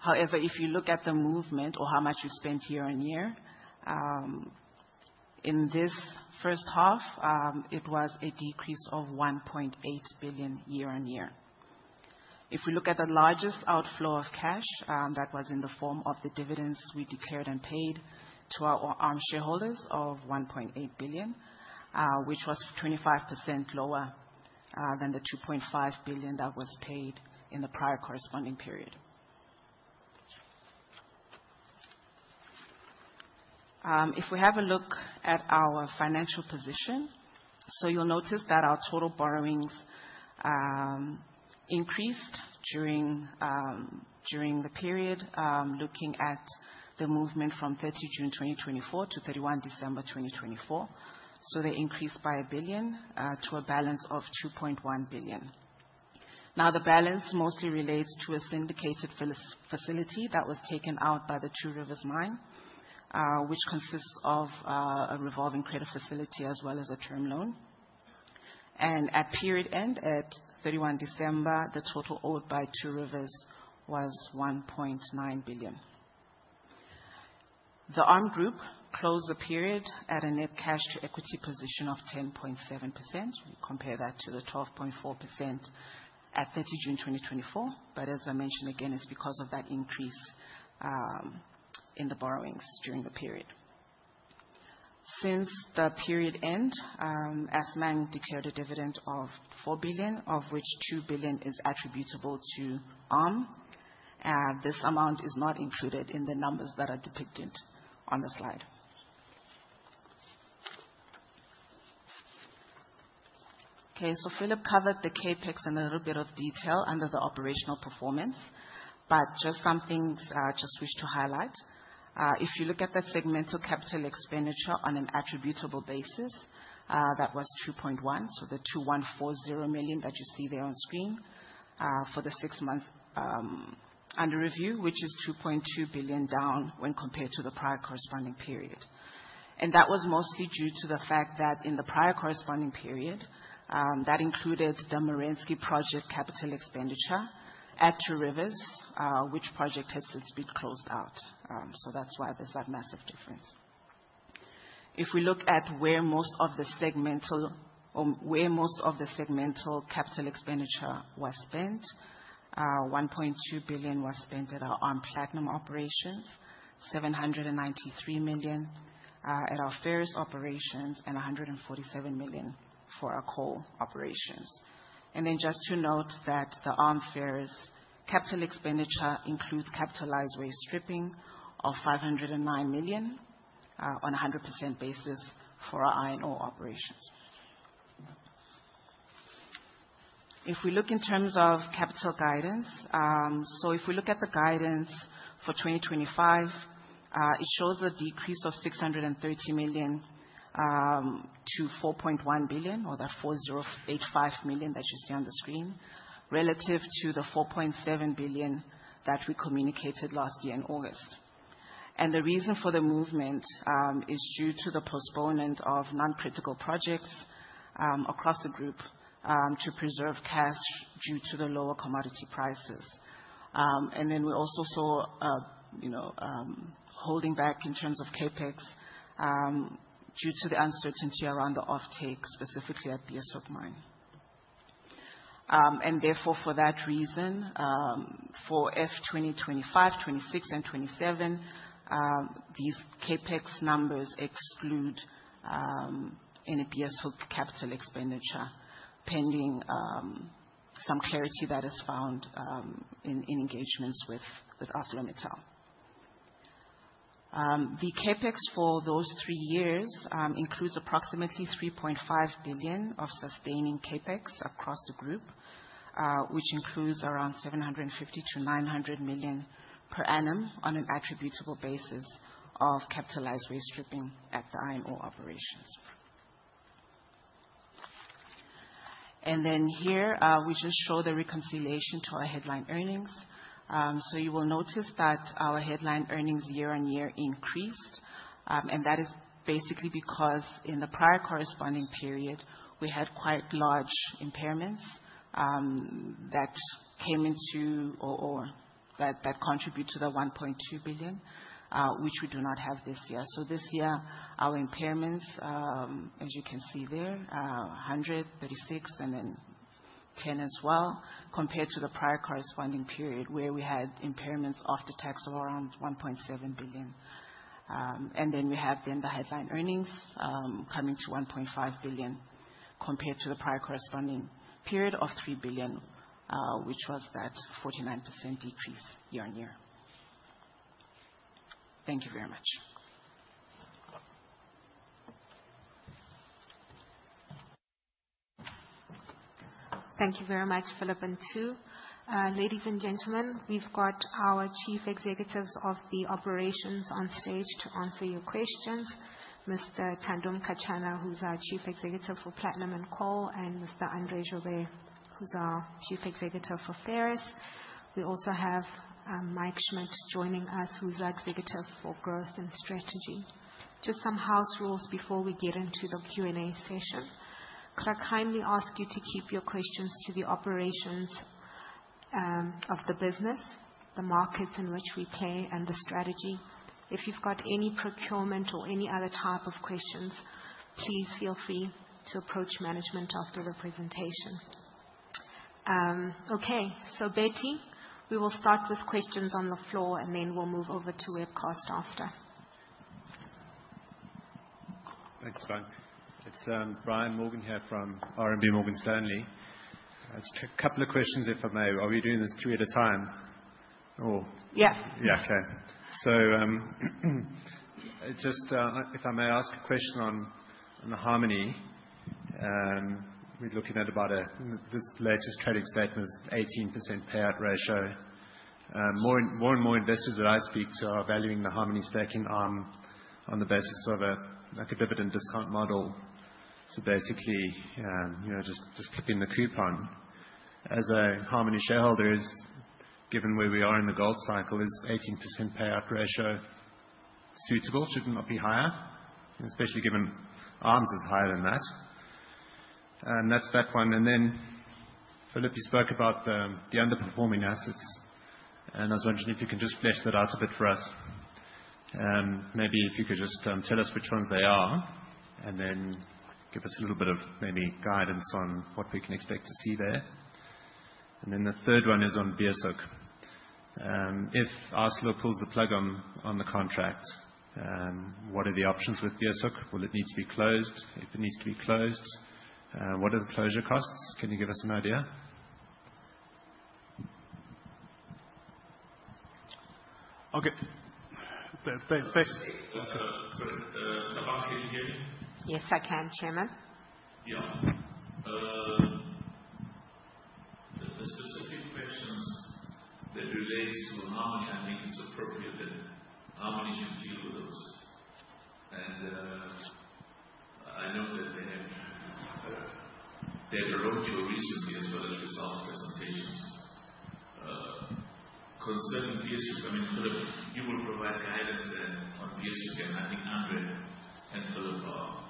However, if you look at the movement or how much we spent year on year, in this first half, it was a decrease of 1.8 billion year on year. If we look at the largest outflow of cash, that was in the form of the dividends we declared and paid to our ARM shareholders of 1.8 billion, which was 25% lower than the 2.5 billion that was paid in the prior corresponding period. If we have a look at our financial position, you'll notice that our total borrowings increased during the period, looking at the movement from 30 June 2024 to 31 December 2024. They increased by 1 billion to a balance of 2.1 billion. Now, the balance mostly relates to a syndicated facility that was taken out by the Two Rivers Mine, which consists of a revolving credit facility as well as a term loan. At period end, at 31 December, the total owed by Two Rivers was 1.9 billion. The ARM group closed the period at a net cash to equity position of 10.7%. We compare that to the 12.4% at 30 June 2024. As I mentioned again, it's because of that increase in the borrowings during the period. Since the period end, Assmang declared a dividend of 4 billion, of which 2 billion is attributable to ARM. This amount is not included in the numbers that are depicted on the slide. Okay, Philip covered the CapEx in a little bit of detail under the operational performance, but just some things I just wish to highlight. If you look at that segmental capital expenditure on an attributable basis, that was 2.1 billion, so the 2.140 billion that you see there on screen for the six months under review, which is 2.2 billion down when compared to the prior corresponding period. That was mostly due to the fact that in the prior corresponding period, that included the Merensky Project capital expenditure at Two Rivers, which project has since been closed out. That is why there is that massive difference. If we look at where most of the segmental capital expenditure was spent, 1.2 billion was spent at our ARM Platinum operations, 793 million at our ARM Ferrous operations, and 147 million for our coal operations. Just to note that the ARM Ferrous capital expenditure includes capitalized waste stripping of 509 million on a 100% basis for our iron ore operations. If we look in terms of capital guidance, if we look at the guidance for 2025, it shows a decrease of 630 million to 4.1 billion, or that 4,085 million that you see on the screen, relative to the 4.7 billion that we communicated last year in August. The reason for the movement is due to the postponement of non-critical projects across the group to preserve cash due to the lower commodity prices. We also saw holding back in terms of CapEx due to the uncertainty around the offtake, specifically at Beeshoek Mine. Therefore, for that reason, for F2025, 2026, and 2027, these CapEx numbers exclude any Beeshoek capital expenditure pending some clarity that is found in engagements with ArcelorMittal. The CapEx for those three years includes approximately 3.5 billion of sustaining CapEx across the group, which includes around 750 million-900 million per annum on an attributable basis of capitalized waste stripping at the I&O operations. Here, we just show the reconciliation to our headline earnings. You will notice that our headline earnings year on year increased, and that is basically because in the prior corresponding period, we had quite large impairments that came into or that contribute to the 1.2 billion, which we do not have this year. This year, our impairments, as you can see there, 136 million and then 10 million as well, compared to the prior corresponding period where we had impairments after tax of around 1.7 billion. We have then the headline earnings coming to 1.5 billion compared to the prior corresponding period of 3 billion, which was that 49% decrease year on year. Thank you very much. Thank you very much, Philip and Sue. Ladies and gentlemen, we've got our Chief Executives of the operations on stage to answer your questions. Mr. Thando Mkatshana, who's our Chief Executive for Platinum and Coal, and Mr. Andre Joubert, who's our Chief Executive for Ferrous. We also have Mike Schmidt joining us, who's our Executive for Growth and Strategy. Just some house rules before we get into the Q&A session. Could I kindly ask you to keep your questions to the operations of the business, the markets in which we play, and the strategy? If you've got any procurement or any other type of questions, please feel free to approach management after the presentation. Okay, Betty, we will start with questions on the floor, and then we'll move over to Webcast after. Thanks, Ben. It's Brian Morgan here from RMB Morgan Stanley. Just a couple of questions, if I may. Are we doing this three at a time? Yeah. Yeah, okay. Just if I may ask a question on Harmony, we're looking at about this latest trading statement, 18% payout ratio. More and more investors that I speak to are valuing the Harmony stacking on the basis of a dividend discount model. Basically, just clipping the coupon. As a Harmony shareholder, given where we are in the gold cycle, is 18% payout ratio suitable? Shouldn't it not be higher? Especially given ARM's is higher than that. That's that one. Philipp, you spoke about the underperforming assets, and I was wondering if you can just flesh that out a bit for us. Maybe if you could just tell us which ones they are, and then give us a little bit of maybe guidance on what we can expect to see there. The third one is on BSOC. If ArcelorMittal pulls the plug on the contract, what are the options with Beeshoek? Will it need to be closed if it needs to be closed? What are the closure costs? Can you give us an idea? Okay. Thanks. Sorry, Thabang, can you hear me? Yes, I can, Chairman. Yeah. The specific questions that relate to Harmony, I think it's appropriate that Harmony should deal with those. I know that they have their promotional reasoning as well as results presentations. Concerning BSOC, I mean, Philip, you will provide guidance then on BSOC, and I think Andre and Philip are appropriately positioned to deal with that.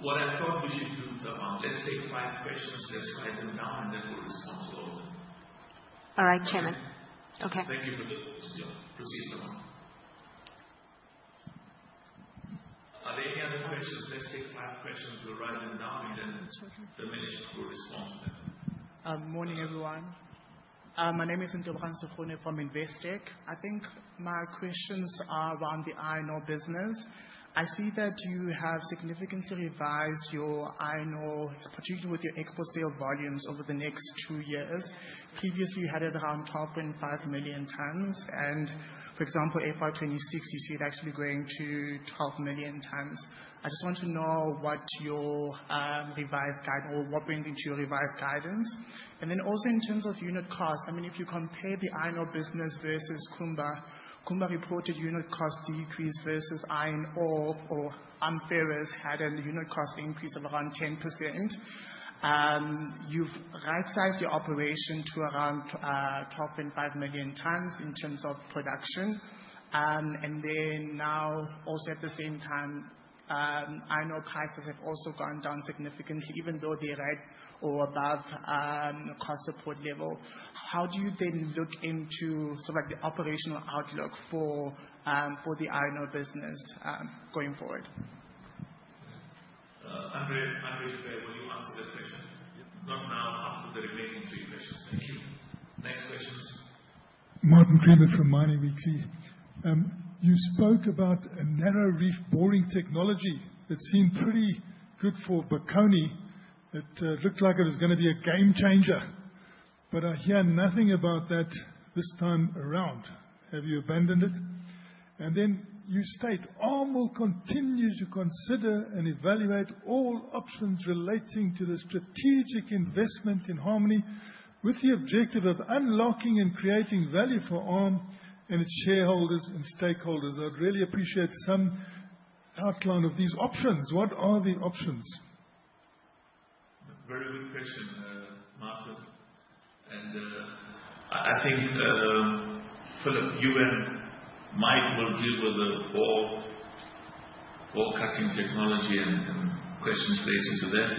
What I thought we should do, Thabang, let's take five questions, let's write them down, and then we'll respond to all of them. All right, Chairman. Okay. Thank you, Philip. Yeah, proceed, Thabang. Are there any other questions? Let's take five questions, we'll write them down, and then the minutes will respond to them. Morning, everyone. My name is Ntebogang Segone from Investec. I think my questions are around the iron ore business. I see that you have significantly revised your iron ore, particularly with your export sale volumes over the next two years. Previously, you had it around 12.5 million tons. For example, for 2026, you see it actually going to 12 million tons. I just want to know what your revised guidance or what brings into your revised guidance. Also, in terms of unit costs, I mean, if you compare the iron ore business versus Kumba, Kumba reported unit cost decrease versus iron ore or ARM Ferrous had a unit cost increase of around 10%. You've right-sized your operation to around 12.5 million tons in terms of production. Now, also at the same time, iron ore prices have also gone down significantly, even though they're at or above cost support level. How do you then look into sort of the operational outlook for the I&O business going forward? Andre is there. Will you answer that question? Not now, after the remaining three questions. Thank you. Next questions. Martin Creamer from Mining Weekly. You spoke about a narrow reef boring technology that seemed pretty good for Bokoni. It looked like it was going to be a game changer, but I hear nothing about that this time around. Have you abandoned it? You state, "ARM will continue to consider and evaluate all options relating to the strategic investment in Harmony with the objective of unlocking and creating value for ARM and its shareholders and stakeholders." I'd really appreciate some outline of these options. What are the options? Very good question, Martin. I think, Philip, you and Mike will deal with the bore cutting technology and questions relating to that.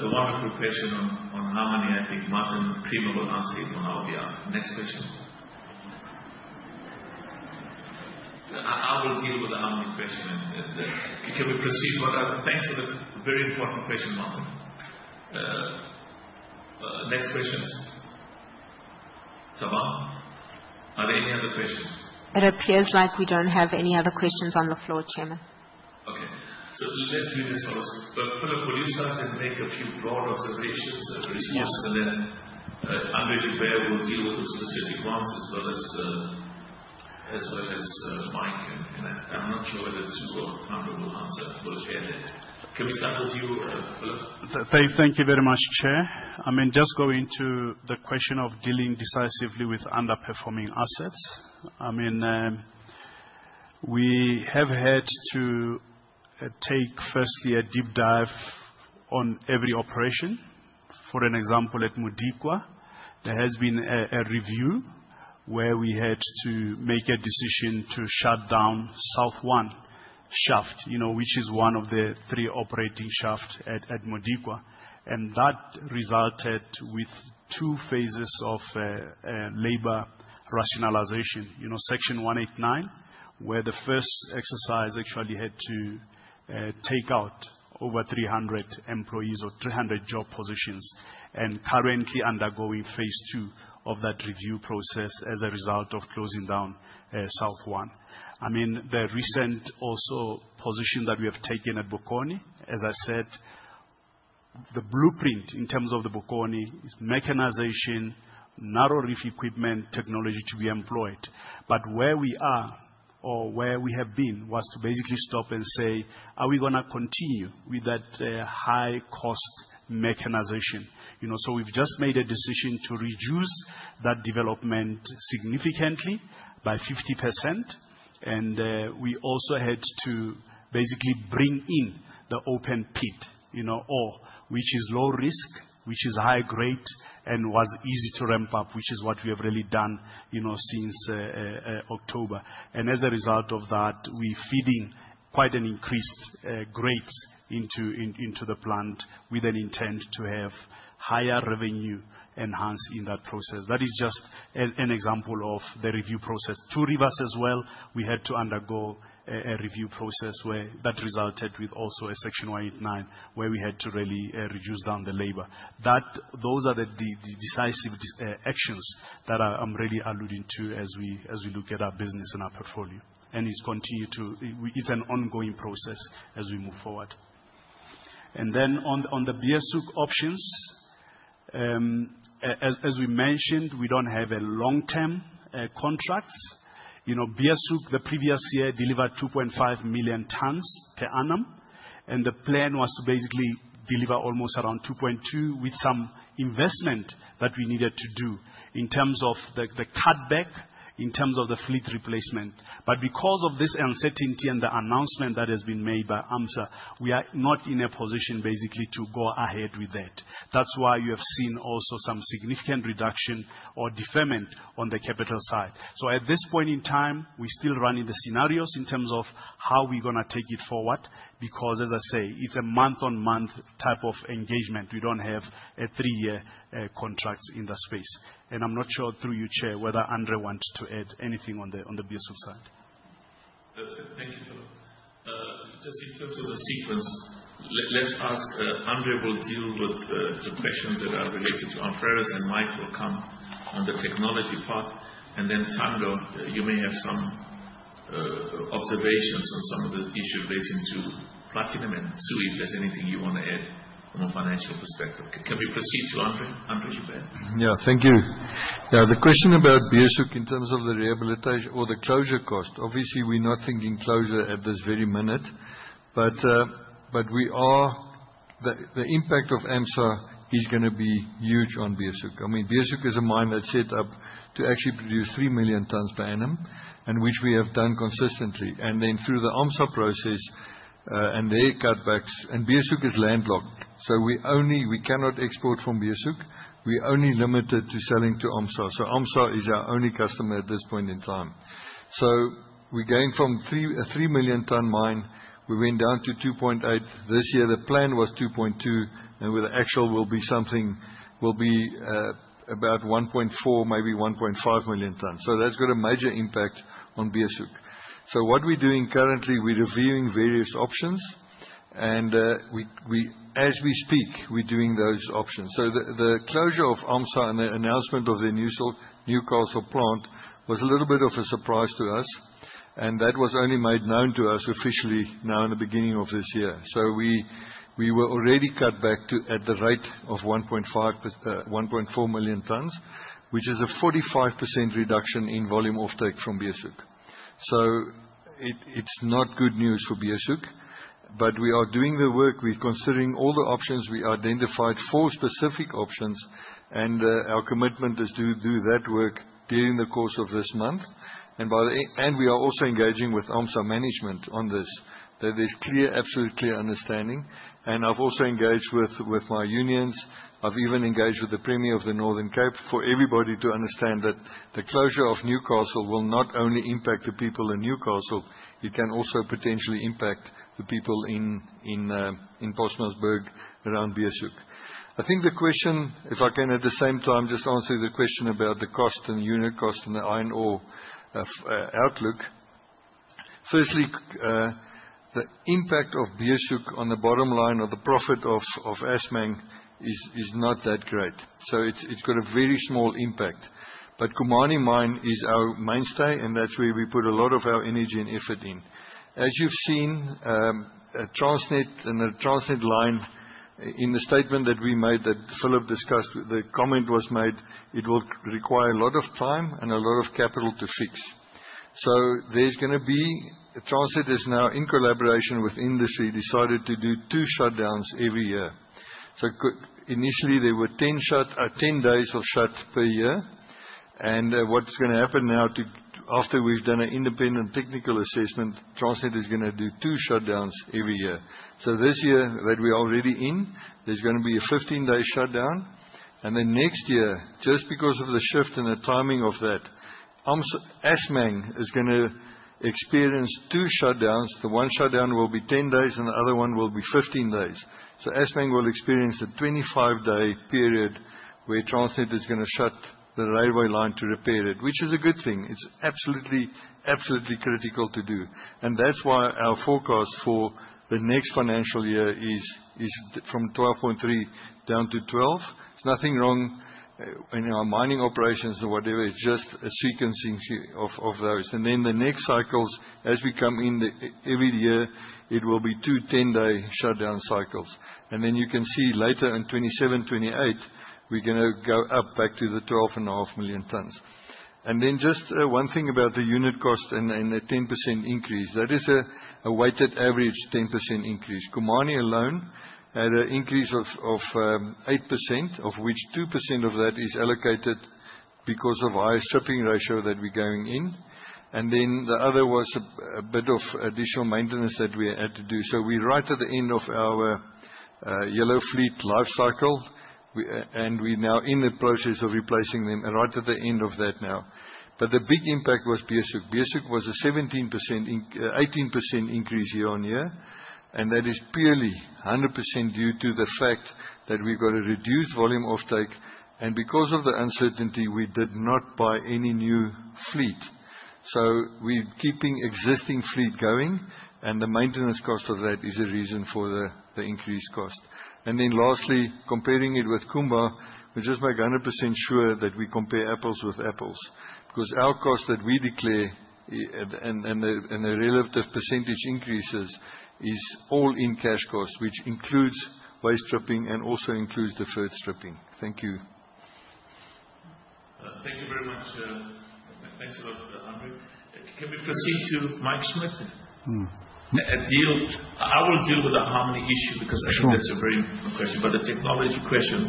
The wonderful question on Harmony, I think Martin Cribbin will answer it from our behalf. Next question. I will deal with the Harmony question. Can we proceed? Thanks for the very important question, Martin. Next questions. Thabang, are there any other questions? It appears like we don't have any other questions on the floor, Chairman. Okay. Let's do this first. Philip, will you start and make a few broad observations and response? Then Andre Joubert will deal with the specific ones as well as Mike. I'm not sure whether the two of Thando will answer. We'll share that. Can we start with you, Philip? Thank you very much, Chair. I mean, just going to the question of dealing decisively with underperforming assets. I mean, we have had to take firstly a deep dive on every operation. For an example, at Modikwa, there has been a review where we had to make a decision to shut down South One Shaft, which is one of the three operating shafts at Modikwa. That resulted with two phases of labor rationalization, Section 189, where the first exercise actually had to take out over 300 employees or 300 job positions and currently undergoing phase two of that review process as a result of closing down South One. I mean, the recent also position that we have taken at Bokoni, as I said, the blueprint in terms of the Bokoni is mechanization, narrow reef equipment technology to be employed. Where we are or where we have been was to basically stop and say, are we going to continue with that high-cost mechanization? We have just made a decision to reduce that development significantly by 50%. We also had to basically bring in the open pit ore, which is low risk, which is high grade, and was easy to ramp up, which is what we have really done since October. As a result of that, we are feeding quite an increased grade into the plant with an intent to have higher revenue enhanced in that process. That is just an example of the review process. Two Rivers as well, we had to undergo a review process where that resulted with also a Section 189, where we had to really reduce down the labor. Those are the decisive actions that I'm really alluding to as we look at our business and our portfolio. It's continued to, it's an ongoing process as we move forward. On the AMSA options, as we mentioned, we do not have a long-term contract. AMSA, the previous year delivered 2.5 million tons per annum. The plan was to basically deliver almost around 2.2 with some investment that we needed to do in terms of the cutback, in terms of the fleet replacement. Because of this uncertainty and the announcement that has been made by AMSA, we are not in a position basically to go ahead with that. That is why you have seen also some significant reduction or deferment on the capital side. At this point in time, we're still running the scenarios in terms of how we're going to take it forward because, as I say, it's a month-on-month type of engagement. We don't have a three-year contract in the space. I'm not sure through you, Chair, whether Andre wants to add anything on the BSOC side. Thank you, Philip. Just in terms of the sequence, let's ask Andre will deal with the questions that are related to ARM Ferrous and Mike will come on the technology part. Tando, you may have some observations on some of the issues relating to Platinum and see if there's anything you want to add from a financial perspective. Can we proceed to Andre? Andre Joubert? Yeah, thank you. Yeah, the question about Beeshoek in terms of the rehabilitation or the closure cost, obviously we're not thinking closure at this very minute, but the impact of ArcelorMittal South Africa is going to be huge on Beeshoek. I mean, Beeshoek is a mine that's set up to actually produce 3 million tons per annum, which we have done consistently. I mean, through the ArcelorMittal South Africa process and the cutbacks, and Beeshoek is landlocked. We cannot export from Beeshoek. We're only limited to selling to ArcelorMittal South Africa. ArcelorMittal South Africa is our only customer at this point in time. We're going from a 3 million ton mine, we went down to 2.8. This year, the plan was 2.2, and with the actual will be something, will be about 1.4, maybe 1.5 million tons. That has got a major impact on Beeshoek. What we're doing currently, we're reviewing various options. As we speak, we're doing those options. The closure of AMSA and the announcement of the new coal salt plant was a little bit of a surprise to us. That was only made known to us officially now in the beginning of this year. We were already cut back to at the rate of 1.4 million tons, which is a 45% reduction in volume offtake from Beeshoek. It's not good news for Beeshoek, but we are doing the work. We're considering all the options. We identified four specific options, and our commitment is to do that work during the course of this month. We are also engaging with AMSA management on this. There's clear, absolutely clear understanding. I've also engaged with my unions. I've even engaged with the Premier of the Northern Cape for everybody to understand that the closure of Newcastle will not only impact the people in Newcastle, it can also potentially impact the people in Postmasburg around Beeshoek. I think the question, if I can at the same time just answer the question about the cost and unit cost and the iron ore outlook, firstly, the impact of Beeshoek on the bottom line or the profit of Assmang is not that great. It has a very small impact. Khumani Mine is our mainstay, and that's where we put a lot of our energy and effort in. As you've seen, Transnet and the Transnet line in the statement that we made that Philip discussed, the comment was made, it will require a lot of time and a lot of capital to fix. There is going to be a Transnet is now in collaboration with industry decided to do two shutdowns every year. Initially, there were 10 days of shut per year. What is going to happen now after we have done an independent technical assessment, Transnet is going to do two shutdowns every year. This year that we are already in, there is going to be a 15-day shutdown. Next year, just because of the shift in the timing of that, Assmang is going to experience two shutdowns. The one shutdown will be 10 days, and the other one will be 15 days. Assmang will experience a 25-day period where Transnet is going to shut the railway line to repair it, which is a good thing. It is absolutely, absolutely critical to do. That is why our forecast for the next financial year is from 12.3 down to 12. There's nothing wrong in our mining operations or whatever. It's just a sequencing of those. The next cycles, as we come in every year, it will be two 10-day shutdown cycles. You can see later in 2027, 2028, we're going to go up back to the 12.5 million tons. Just one thing about the unit cost and the 10% increase. That is a weighted average 10% increase. Khumani alone had an increase of 8%, of which 2% of that is allocated because of higher shipping ratio that we're going in. The other was a bit of additional maintenance that we had to do. We're right at the end of our yellow fleet life cycle, and we're now in the process of replacing them right at the end of that now. The big impact was BSOC. BSOC was a 17%-18% increase year on year. That is purely 100% due to the fact that we've got a reduced volume offtake. Because of the uncertainty, we did not buy any new fleet. We're keeping existing fleet going, and the maintenance cost of that is a reason for the increased cost. Lastly, comparing it with Kumba, we just make 100% sure that we compare apples with apples because our cost that we declare and the relative percentage increases is all in cash cost, which includes waste stripping and also includes the fur stripping. Thank you. Thank you very much. Thanks a lot, Andrew. Can we proceed to Mike Schmidt? A deal? I will deal with the Harmony issue because I think that's a very important question, but the technology question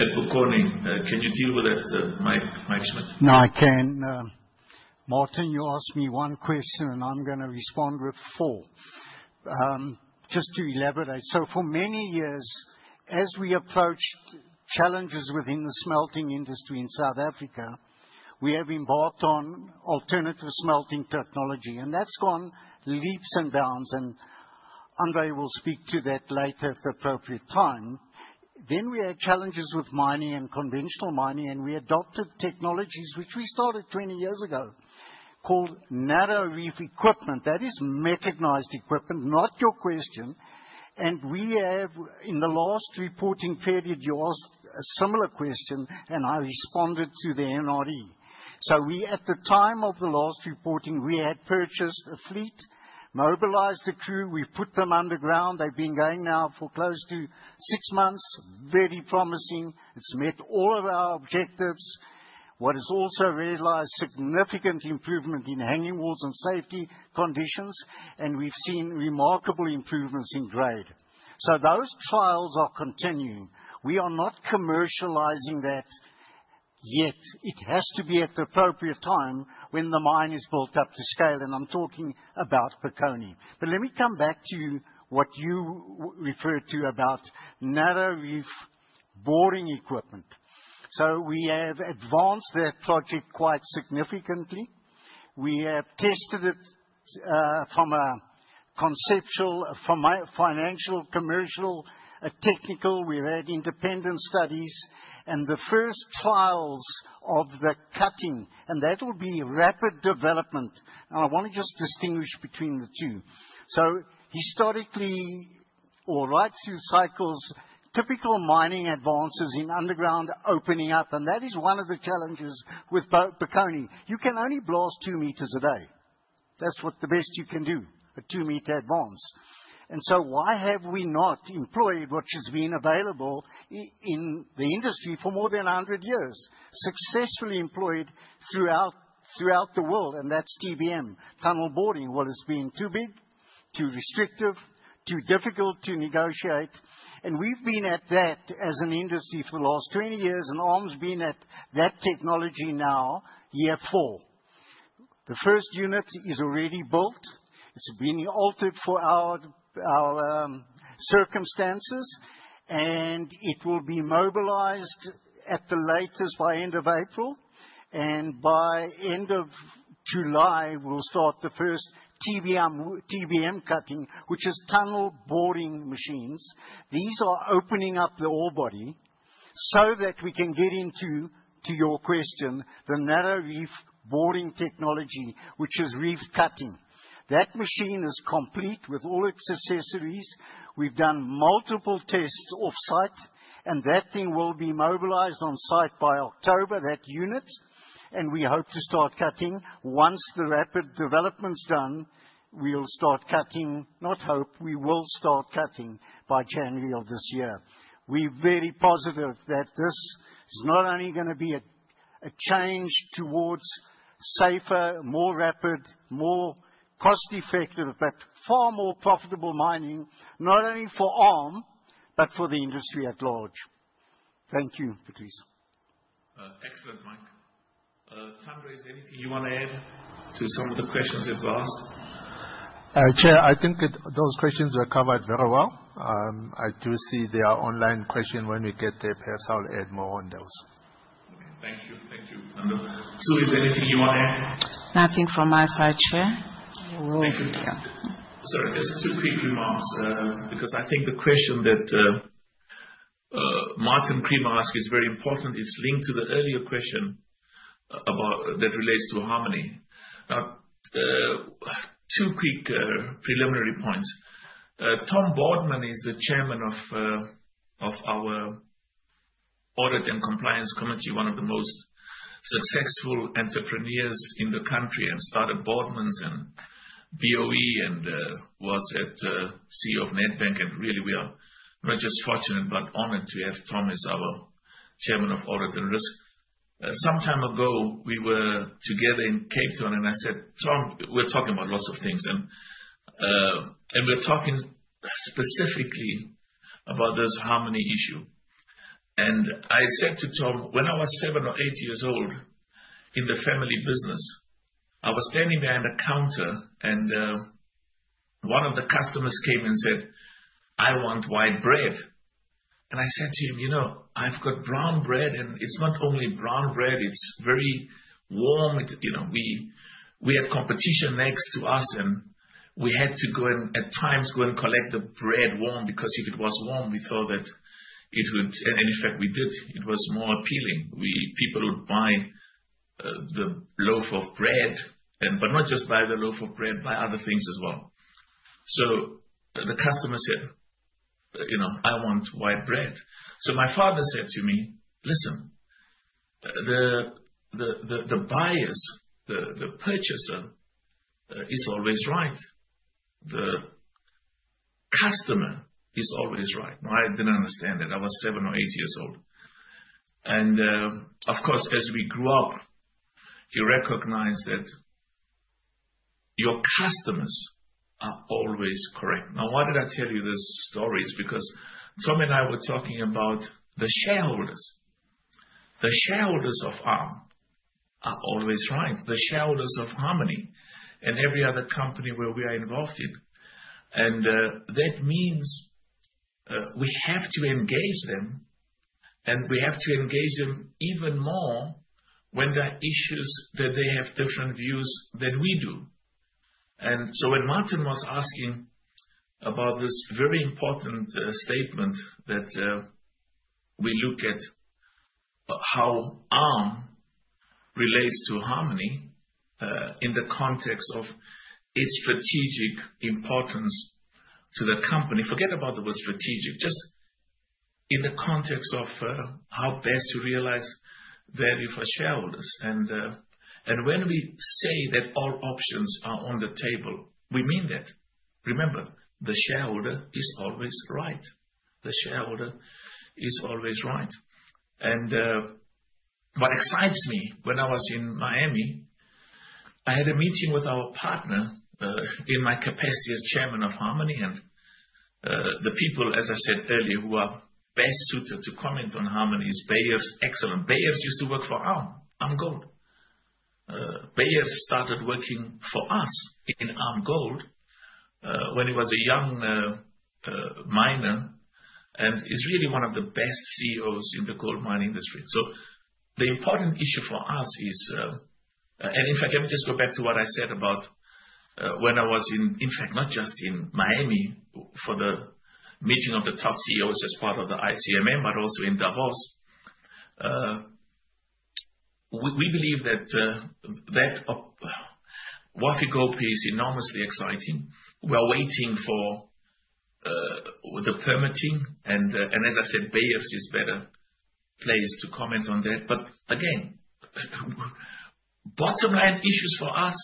at Bokoni, can you deal with that, Mike Schmidt? No, I can. Martin, you asked me one question, and I'm going to respond with four. Just to elaborate, for many years, as we approached challenges within the smelting industry in South Africa, we have embarked on alternative smelting technology. That has gone leaps and bounds. Andre will speak to that later at the appropriate time. We had challenges with mining and conventional mining, and we adopted technologies which we started 20 years ago called narrow reef equipment. That is mechanized equipment, not your question. In the last reporting period, you asked a similar question, and I responded to the NRE. At the time of the last reporting, we had purchased a fleet, mobilized the crew. We have put them underground. They have been going now for close to six months, very promising. It has met all of our objectives. What is also realized, significant improvement in hanging walls and safety conditions, and we've seen remarkable improvements in grade. Those trials are continuing. We are not commercializing that yet. It has to be at the appropriate time when the mine is built up to scale, and I'm talking about Bokoni. Let me come back to what you referred to about narrow reef boring equipment. We have advanced that project quite significantly. We have tested it from a conceptual, financial, commercial, technical. We've had independent studies and the first trials of the cutting, and that will be rapid development. I want to just distinguish between the two. Historically or right through cycles, typical mining advances in underground opening up, and that is one of the challenges with Bokoni. You can only blast 2 meters a day. That's what the best you can do, a 2-meter advance. Why have we not employed what has been available in the industry for more than 100 years, successfully employed throughout the world? That is TBM, tunnel boring, which has been too big, too restrictive, too difficult to negotiate. We have been at that as an industry for the last 20 years, and ARM has been at that technology now, year four. The first unit is already built. It has been altered for our circumstances, and it will be mobilized at the latest by end of April. By end of July, we will start the first TBM cutting, which is tunnel boring machines. These are opening up the ore body so that we can get into, to your question, the narrow reef boring technology, which is reef cutting. That machine is complete with all its accessories. We've done multiple tests offsite, and that thing will be mobilized on site by October, that unit. We hope to start cutting once the rapid development's done. We'll start cutting, not hope, we will start cutting by January of this year. We're very positive that this is not only going to be a change towards safer, more rapid, more cost-effective, but far more profitable mining, not only for ARM, but for the industry at large. Thank you, Patrice. Excellent, Mike. Tando, is there anything you want to add to some of the questions that were asked? Chair, I think those questions were covered very well. I do see there are online questions when we get there, perhaps I'll add more on those. Okay, thank you. Thank you, Tando. Sue, is there anything you want to add? Nothing from my side, Chair. Thank you. Sorry, just two quick remarks because I think the question that Martin Creamer asked is very important. It is linked to the earlier question that relates to Harmony. Two quick preliminary points. Tom Boardman is the chairman of our Audit and Compliance Committee, one of the most successful entrepreneurs in the country and started Boardman's and BOE and was CEO of Nedbank. We are not just fortunate, but honored to have Tom as our chairman of Audit and Risk. Some time ago, we were together in Cape Town, and I said, "Tom, we're talking about lots of things." We were talking specifically about this Harmony issue. I said to Tom, when I was seven or eight years old in the family business, I was standing there at a counter, and one of the customers came and said, "I want white bread." I said to him, "You know, I've got brown bread, and it's not only brown bread, it's very warm." We had competition next to us, and we had to go and at times go and collect the bread warm because if it was warm, we thought that it would, and in fact, we did. It was more appealing. People would buy the loaf of bread, but not just buy the loaf of bread, buy other things as well. The customer said, "You know, I want white bread." My father said to me, "Listen, the buyers, the purchaser is always right. The customer is always right." I didn't understand that. I was seven or eight years old. Of course, as we grew up, you recognize that your customers are always correct. Now, why did I tell you this story? It is because Tom and I were talking about the shareholders. The shareholders of ARM are always right. The shareholders of Harmony and every other company where we are involved in. That means we have to engage them, and we have to engage them even more when there are issues that they have different views than we do. When Martin was asking about this very important statement that we look at how ARM relates to Harmony in the context of its strategic importance to the company, forget about the word strategic, just in the context of how best to realize value for shareholders. When we say that all options are on the table, we mean that. Remember, the shareholder is always right. The shareholder is always right. What excites me, when I was in Miami, I had a meeting with our partner in my capacity as Chairman of Harmony. The people, as I said earlier, who are best suited to comment on Harmony is Peter Steenkamp. Peter used to work for ARM, ARM Gold. Peter started working for us in ARM Gold when he was a young miner, and he is really one of the best CEOs in the gold mine industry. The important issue for us is, in fact, let me just go back to what I said about when I was in, in fact, not just in Miami for the meeting of the top CEOs as part of the ICMM, but also in Davos. We believe that what we go peace enormously exciting. We are waiting for the permitting. As I said, Bayer is a better place to comment on that. Again, bottom line issues for us,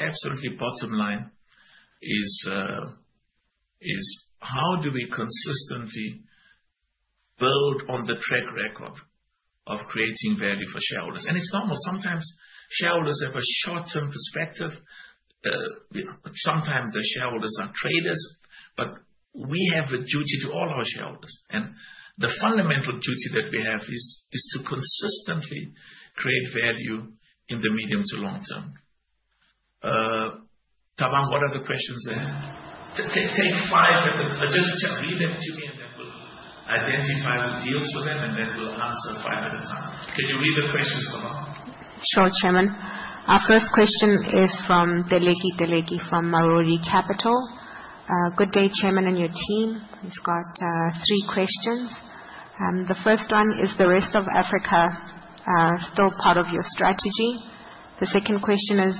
absolutely bottom line, is how do we consistently build on the track record of creating value for shareholders. It is normal. Sometimes shareholders have a short-term perspective. Sometimes the shareholders are traders, but we have a duty to all our shareholders. The fundamental duty that we have is to consistently create value in the medium to long term. Tabang, what are the questions there? Take five minutes. Just read them to me, and then we will identify who deals with them, and then we will answer five at a time. Can you read the questions, Tabang? Sure, Chairman. Our first question is from Deleghi Deleghi from Maruri Capital. Good day, Chairman and your team. He's got three questions. The first one is, the rest of Africa still part of your strategy? The second question is,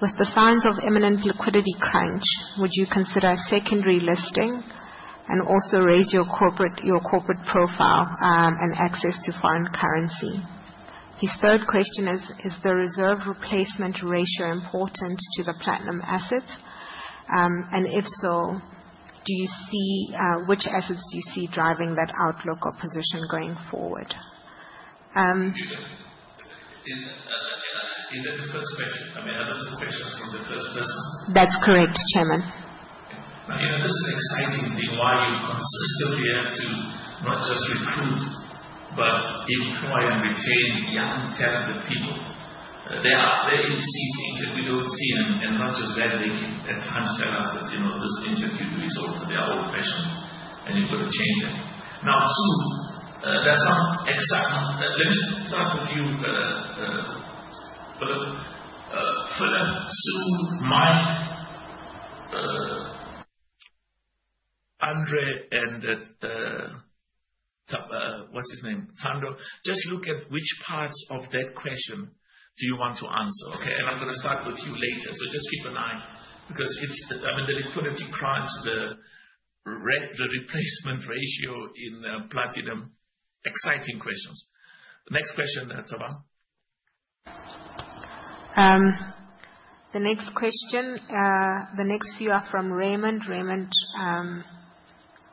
with the signs of imminent liquidity crunch, would you consider secondary listing and also raise your corporate profile and access to foreign currency? His third question is, is the reserve replacement ratio important to the platinum assets? And if so, do you see which assets do you see driving that outlook or position going forward? Is that the first question? I mean, are those the questions from the first person? That's correct, Chairman. You know, this is an exciting thing why you consistently have to not just recruit, but employ and retain young talented people. They are very in see things that we do not see. Not just that, they can at times tell us that this institute is over, they are old-fashioned, and you have got to change that. Now, Sue, there is some excitement. Let me start with you, Philip. Philip, Sue, Mike. Andre and what's his name? Thando, just look at which parts of that question do you want to answer, okay? I am going to start with you later. Just keep an eye because it's, I mean, the liquidity crunch, the replacement ratio in platinum, exciting questions. Next question, Tabang. The next question, the next few are from Raymond. Raymond,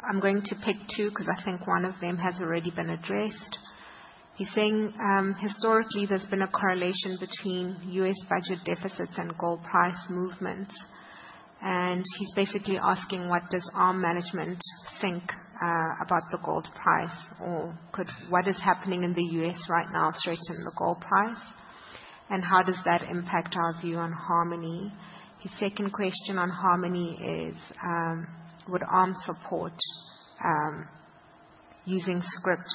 I'm going to pick two because I think one of them has already been addressed. He's saying historically there's been a correlation between U.S. budget deficits and gold price movements. And he's basically asking what does ARM management think about the gold price or what is happening in the U.S. right now straighten the gold price and how does that impact our view on Harmony. His second question on Harmony is, would ARM support using script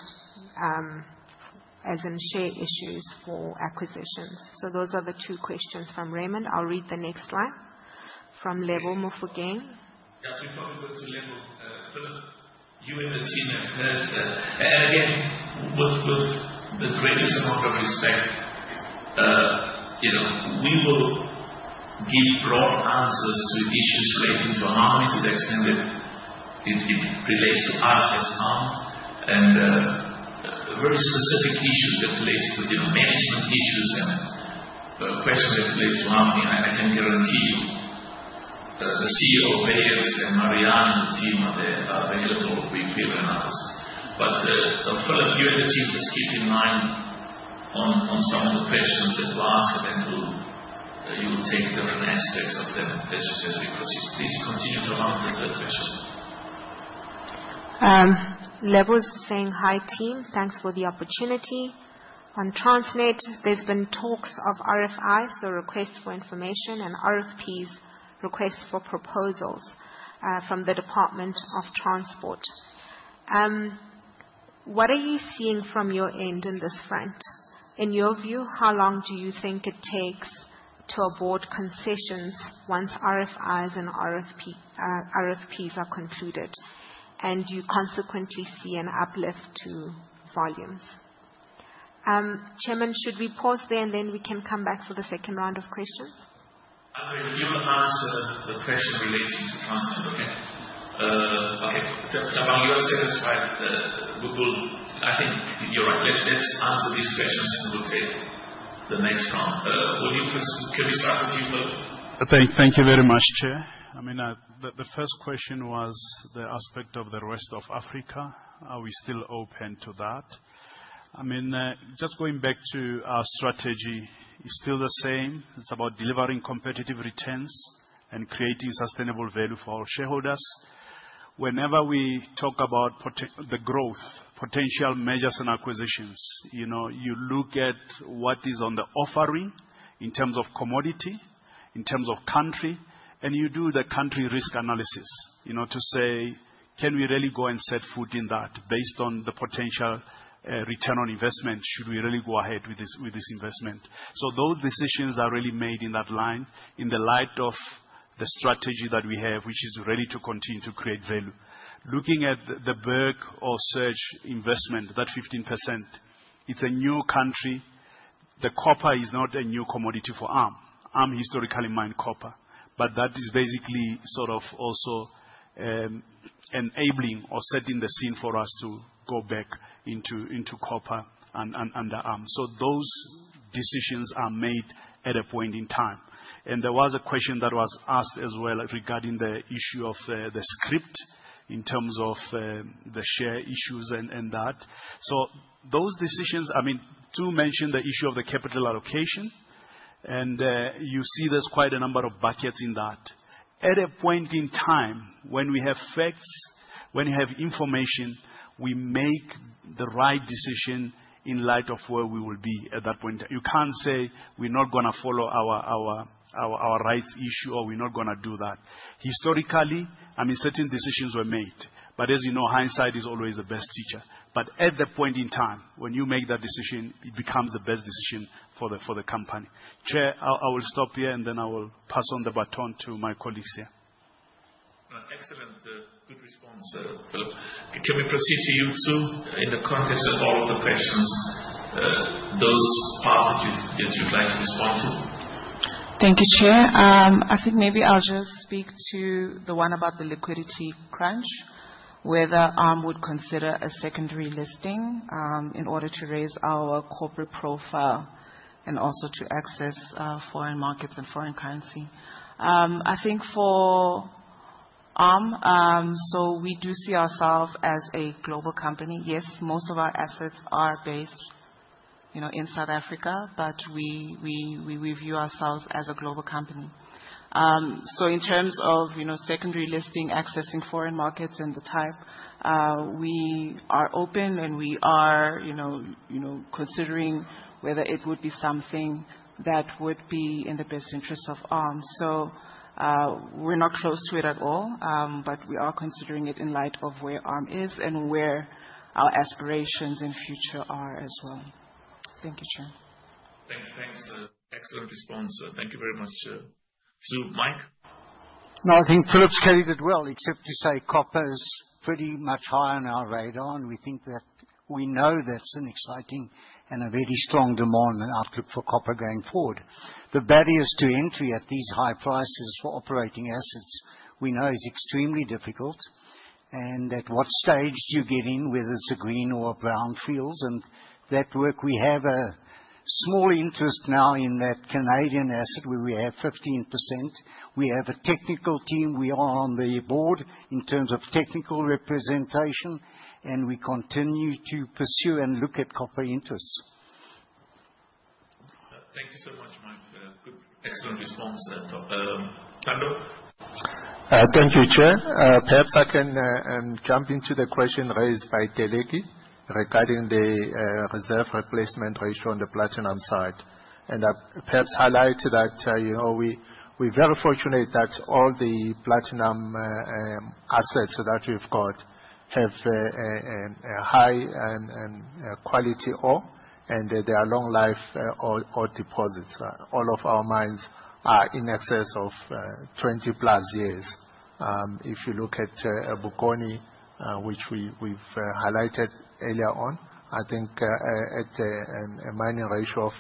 as in share issues for acquisitions? So those are the two questions from Raymond. I'll read the next slide from Level Mufugeng. Yeah, we probably go to Level. Philip, you and the team have heard that. Again, with the greatest amount of respect, we will give broad answers to issues relating to Harmony, to the extent that it relates to us as ARM and very specific issues that relate to management issues and questions that relate to Harmony. I can guarantee you the CEO of Harmony and Marianne and the team are available, we feel and others. Philip, you and the team just keep in mind on some of the questions that were asked, and then you will take different aspects of them as we proceed. Please continue, Thabang, with the third question. Level is saying, "Hi team, thanks for the opportunity." On Transnet, there's been talks of RFIs, so requests for information, and RFPs, requests for proposals from the Department of Transport. What are you seeing from your end in this front? In your view, how long do you think it takes to abort concessions once RFIs and RFPs are concluded and you consequently see an uplift to volumes? Chairman, should we pause there and then we can come back for the second round of questions? Andrew, you answer the question relating to Transnet, okay? Okay, Tabang, you are satisfied. I think you're right. Let's answer these questions and we'll take the next round. Will you, can we start with you, Philip? Thank you very much, Chair. I mean, the first question was the aspect of the rest of Africa. Are we still open to that? I mean, just going back to our strategy, it's still the same. It's about delivering competitive returns and creating sustainable value for our shareholders. Whenever we talk about the growth, potential measures and acquisitions, you look at what is on the offering in terms of commodity, in terms of country, and you do the country risk analysis to say, can we really go and set foot in that based on the potential return on investment? Should we really go ahead with this investment? So those decisions are really made in that line in the light of the strategy that we have, which is ready to continue to create value. Looking at the Burke or Surge investment, that 15%, it's a new country. The copper is not a new commodity for ARM. ARM historically mined copper, but that is basically sort of also enabling or setting the scene for us to go back into copper and under ARM. Those decisions are made at a point in time. There was a question that was asked as well regarding the issue of the script in terms of the share issues and that. Those decisions, I mean, to mention the issue of the capital allocation, and you see there is quite a number of buckets in that. At a point in time, when we have facts, when we have information, we make the right decision in light of where we will be at that point in time. You can't say we're not going to follow our rights issue or we're not going to do that. Historically, I mean, certain decisions were made, but as you know, hindsight is always the best teacher. At the point in time, when you make that decision, it becomes the best decision for the company. Chair, I will stop here and then I will pass on the baton to my colleagues here. Excellent. Good response, Philip. Can we proceed to you, Sue, in the context of all of the questions, those parts that you'd like to respond to? Thank you, Chair. I think maybe I'll just speak to the one about the liquidity crunch, whether ARM would consider a secondary listing in order to raise our corporate profile and also to access foreign markets and foreign currency. I think for ARM, we do see ourselves as a global company. Yes, most of our assets are based in South Africa, but we view ourselves as a global company. In terms of secondary listing, accessing foreign markets and the type, we are open and we are considering whether it would be something that would be in the best interest of ARM. We are not close to it at all, but we are considering it in light of where ARM is and where our aspirations in future are as well. Thank you, Chair. Thank you. Thanks. Excellent response. Thank you very much, Sue. Mike? No, I think Philip's carried it well, except to say copper is pretty much high on our radar, and we think that we know that's an exciting and a very strong demand and outlook for copper going forward. The barriers to entry at these high prices for operating assets, we know, is extremely difficult. At what stage do you get in, whether it's a green or a brown field? That work, we have a small interest now in that Canadian asset where we have 15%. We have a technical team. We are on the board in terms of technical representation, and we continue to pursue and look at copper interests. Thank you so much, Mike. Good, excellent response. Tando. Thank you, Chair. Perhaps I can jump into the question raised by Deleghi regarding the reserve replacement ratio on the platinum side. Perhaps highlight that we're very fortunate that all the platinum assets that we've got have high quality ore and they are long-life ore deposits. All of our mines are in excess of 20 plus years. If you look at Bokoni, which we've highlighted earlier on, I think at a mining rate of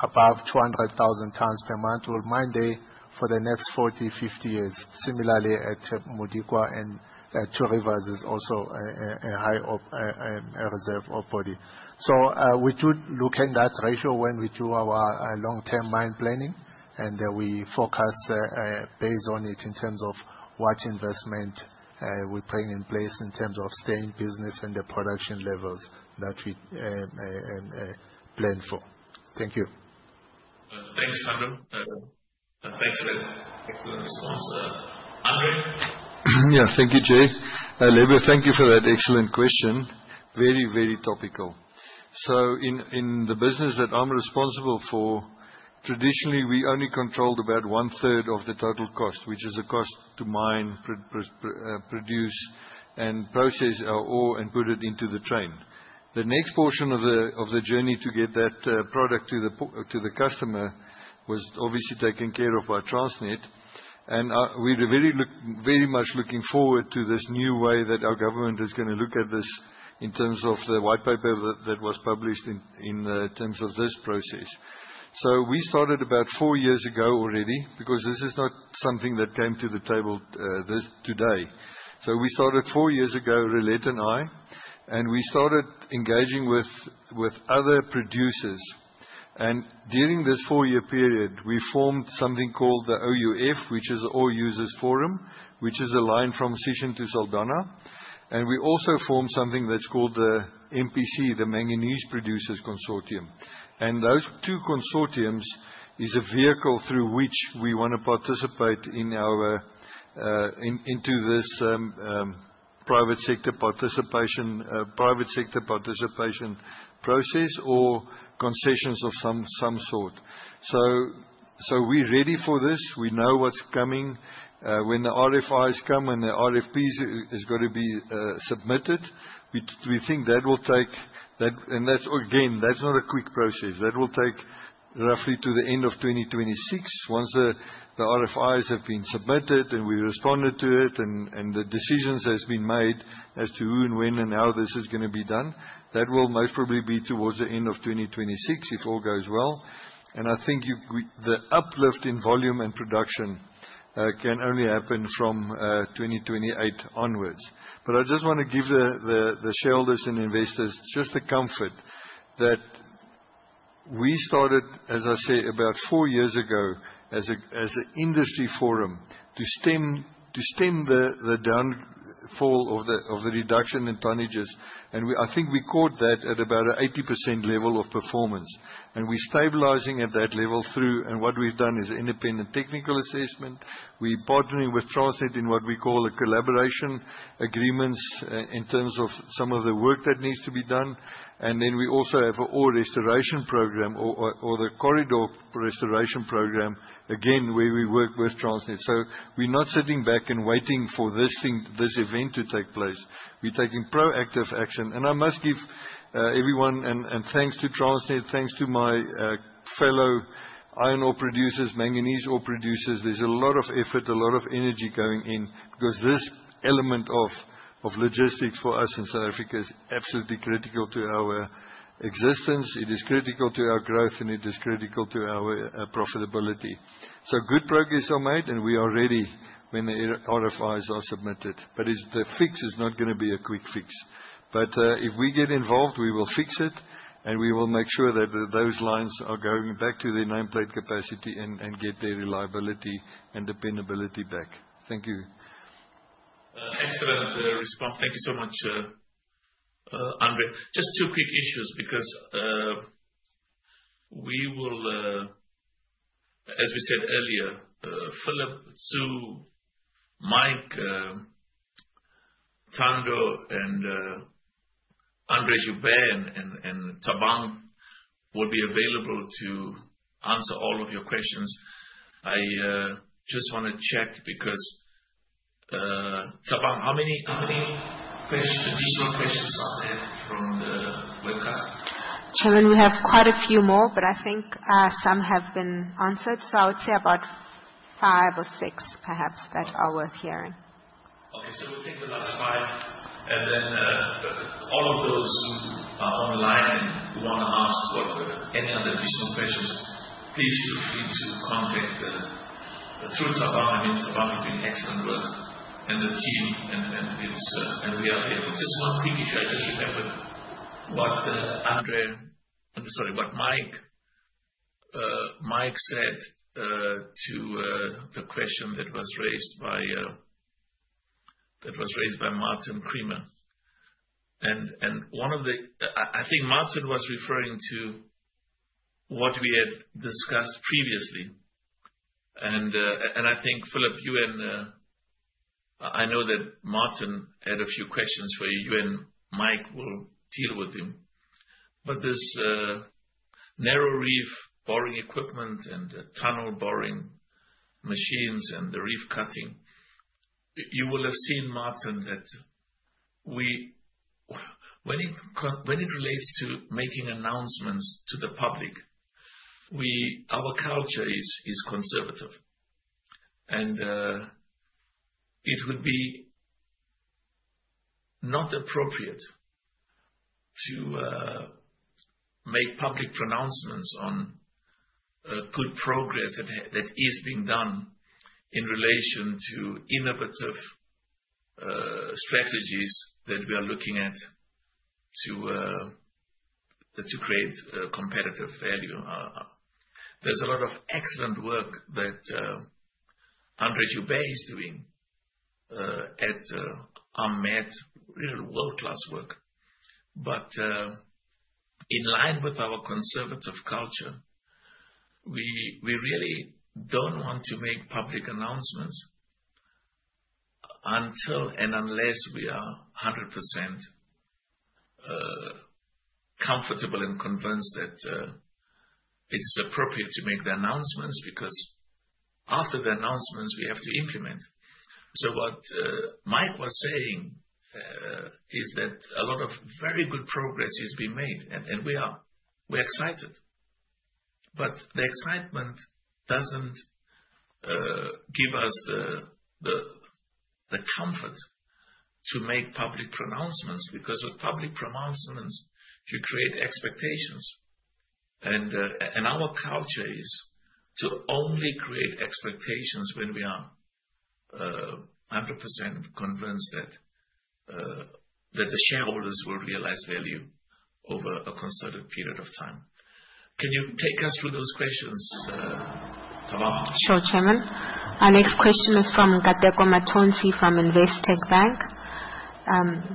above 200,000 tons per month, we will mine there for the next 40-50 years. Similarly, at Modikwa and Two Rivers, there's also a high reserve ore body. We do look at that ratio when we do our long-term mine planning, and we focus based on it in terms of what investment we're putting in place in terms of staying business and the production levels that we plan for. Thank you. Thanks, Thando. Thanks, Philip. Excellent response. Andre? Yeah, thank you, Jay. Levi, thank you for that excellent question. Very, very topical. In the business that I'm responsible for, traditionally, we only controlled about one-third of the total cost, which is the cost to mine, produce, and process our ore and put it into the train. The next portion of the journey to get that product to the customer was obviously taken care of by Transnet, and we were very much looking forward to this new way that our government is going to look at this in terms of the white paper that was published in terms of this process. We started about four years ago already because this is not something that came to the table today. We started four years ago, Relat and I, and we started engaging with other producers. During this four-year period, we formed something called the OUF, which is Oil Users Forum, which is a line from Sishen to Saldanha. We also formed something that's called the MPC, the Manganese Producers Consortium. Those two consortiums are a vehicle through which we want to participate in this private sector participation process or concessions of some sort. We are ready for this. We know what's coming. When the RFIs come and the RFPs are going to be submitted, we think that will take, and again, that's not a quick process. That will take roughly to the end of 2026. Once the RFIs have been submitted and we have responded to it and the decisions have been made as to who, when, and how this is going to be done, that will most probably be towards the end of 2026 if all goes well. I think the uplift in volume and production can only happen from 2028 onwards. I just want to give the shareholders and investors the comfort that we started, as I say, about four years ago as an industry forum to stem the downfall of the reduction in tonnages. I think we caught that at about an 80% level of performance. We are stabilizing at that level through, and what we have done is independent technical assessment. We are partnering with Transnet in what we call collaboration agreements in terms of some of the work that needs to be done. We also have an ore restoration program or the corridor restoration program, again, where we work with Transnet. We are not sitting back and waiting for this event to take place. We are taking proactive action. I must give everyone, and thanks to Transnet, thanks to my fellow iron ore producers, manganese ore producers. There is a lot of effort, a lot of energy going in because this element of logistics for us in South Africa is absolutely critical to our existence. It is critical to our growth, and it is critical to our profitability. Good progress is made, and we are ready when the RFIs are submitted. The fix is not going to be a quick fix. If we get involved, we will fix it, and we will make sure that those lines are going back to their nameplate capacity and get their reliability and dependability back. Thank you. Excellent response. Thank you so much, Andre. Just two quick issues because we will, as we said earlier, Philip, Sue, Mike, Tando, and Andre Joubert and Tabang will be available to answer all of your questions. I just want to check because, Tabang, how many additional questions are there from the webcast? Chairman, we have quite a few more, but I think some have been answered. I would say about five or six perhaps that are worth hearing. Okay. We'll take the last five. All of those who are online and want to ask any other additional questions, please feel free to contact through Thabang. I mean, Thabang is doing excellent work and the team, and we are here. Just one quick issue. I just remembered what Andre, sorry, what Mike said to the question that was raised by Martin Creamer. I think Martin was referring to what we had discussed previously. I think, Philip, you and I know that Martin had a few questions for you, and Mike will deal with them. This narrow reef boring equipment and tunnel boring machines and the reef cutting, you will have seen, Martin, that when it relates to making announcements to the public, our culture is conservative. It would not be appropriate to make public pronouncements on good progress that is being done in relation to innovative strategies that we are looking at to create competitive value. There is a lot of excellent work that Andre Joubert is doing at ARM Met. Really world-class work. In line with our conservative culture, we really do not want to make public announcements until and unless we are 100% comfortable and convinced that it is appropriate to make the announcements because after the announcements, we have to implement. What Mike was saying is that a lot of very good progress is being made, and we are excited. The excitement does not give us the comfort to make public pronouncements because with public pronouncements, you create expectations. Our culture is to only create expectations when we are 100% convinced that the shareholders will realize value over a concerted period of time. Can you take us through those questions, Thabang? Sure, Chairman. Our next question is from Gadegoma Tonsie from Investec Bank.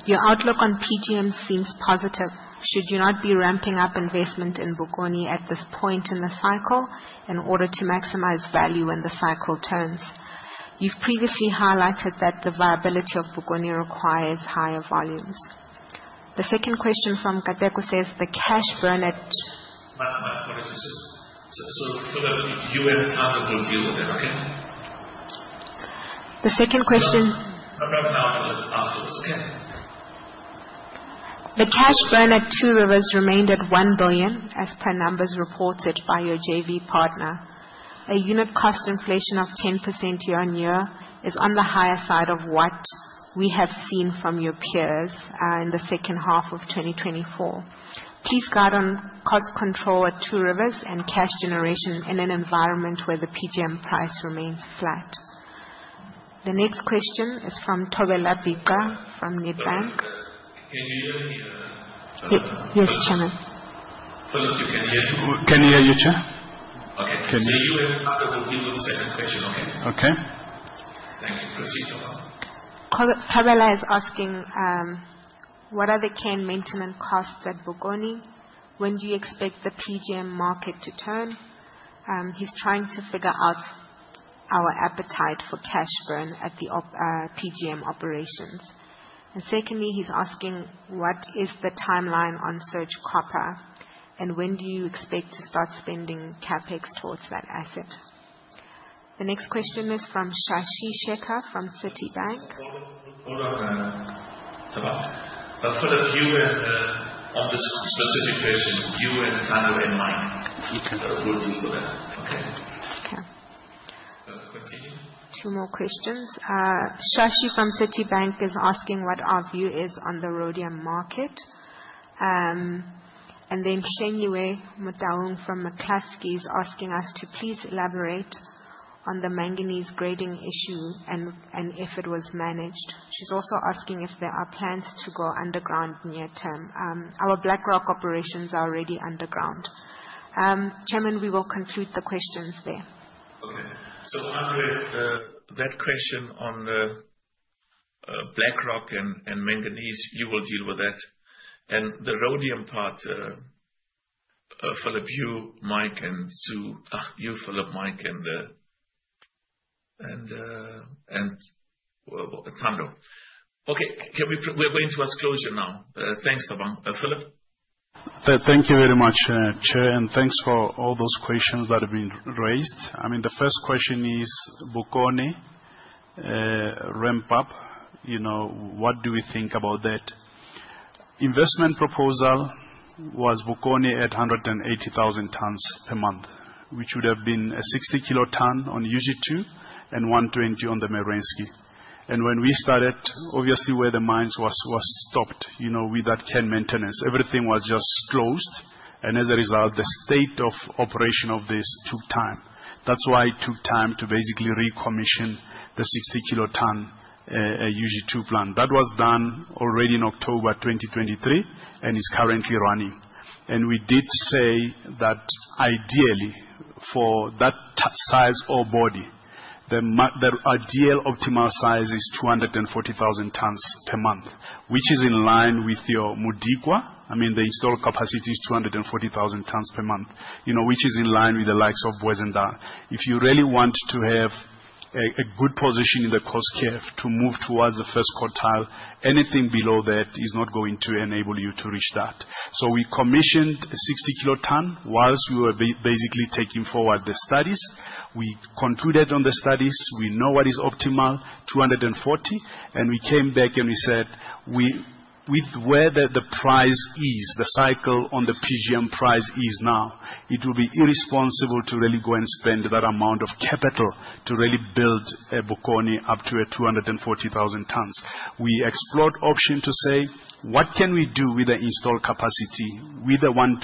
Your outlook on PGM seems positive. Should you not be ramping up investment in Bokoni at this point in the cycle in order to maximize value when the cycle turns? You've previously highlighted that the viability of Bokoni requires higher volumes. The second question from Gadegoma says the cash burn at. Mike, sorry. Philip, you and Tando will deal with it, okay? The second question. Table afterwards, okay? The cash burn at Two Rivers remained at 1 billion as per numbers reported by your JV partner. A unit cost inflation of 10% year on year is on the higher side of what we have seen from your peers in the second half of 2024. Please guide on cost control at Two Rivers and cash generation in an environment where the PGM price remains flat. The next question is from Tobela Bika from Nedbank. Can you hear me? Yes, Chairman. Philip, you can hear me. Can you hear me, Chair? Okay. Can you hear me? Thando, we'll deal with the second question, okay? Okay. Thank you. Proceed, Thando. Tobela is asking what are the care and maintenance costs at Bokoni. When do you expect the PGM market to turn? He is trying to figure out our appetite for cash burn at the PGM operations. Secondly, he is asking what is the timeline on Surge Copper and when do you expect to start spending CapEx towards that asset? The next question is from Shashi Shekha from Citibank. Good afternoon, Thabang. Philip, you and on this specific question, you and Thando and Mike, you can deal with that, okay? Okay. Continue. Two more questions. Shashi from Citibank is asking what our view is on the rhodium market. Shenyue Mudaung from McCloskey is asking us to please elaborate on the manganese grading issue and if it was managed. She is also asking if there are plans to go underground near term. Our Black Rock operations are already underground. Chairman, we will conclude the questions there. Okay. Andre, that question on Black Rock and manganese, you will deal with that. And the rodeo part, Philip, you, Mike, and Sue, you, Philip, Mike, and Tando. Okay. We're going to ask closure now. Thanks, Thabang. Philip? Thank you very much, Chair, and thanks for all those questions that have been raised. I mean, the first question is Bokoni ramp-up. What do we think about that? Investment proposal was Bokoni at 180,000 tons per month, which would have been a 60-kilo ton on UG2 and 120 on the Merensky. When we started, obviously, where the mines were stopped with that care and maintenance, everything was just closed. As a result, the state of operation of this took time. That is why it took time to basically recommission the 60-kilo ton UG2 plant. That was done already in October 2023 and is currently running. We did say that ideally, for that size ore body, the ideal optimal size is 240,000 tons per month, which is in line with your Modikwa. I mean, the installed capacity is 240,000 tons per month, which is in line with the likes of Beeshoek. If you really want to have a good position in the cost curve to move towards the first quartile, anything below that is not going to enable you to reach that. We commissioned a 60 kiloton whilst we were basically taking forward the studies. We concluded on the studies. We know what is optimal, 240. We came back and we said, with where the price is, the cycle on the PGM price is now, it will be irresponsible to really go and spend that amount of capital to really build Bokoni up to 240,000 tons. We explored the option to say, what can we do with the installed capacity with the 120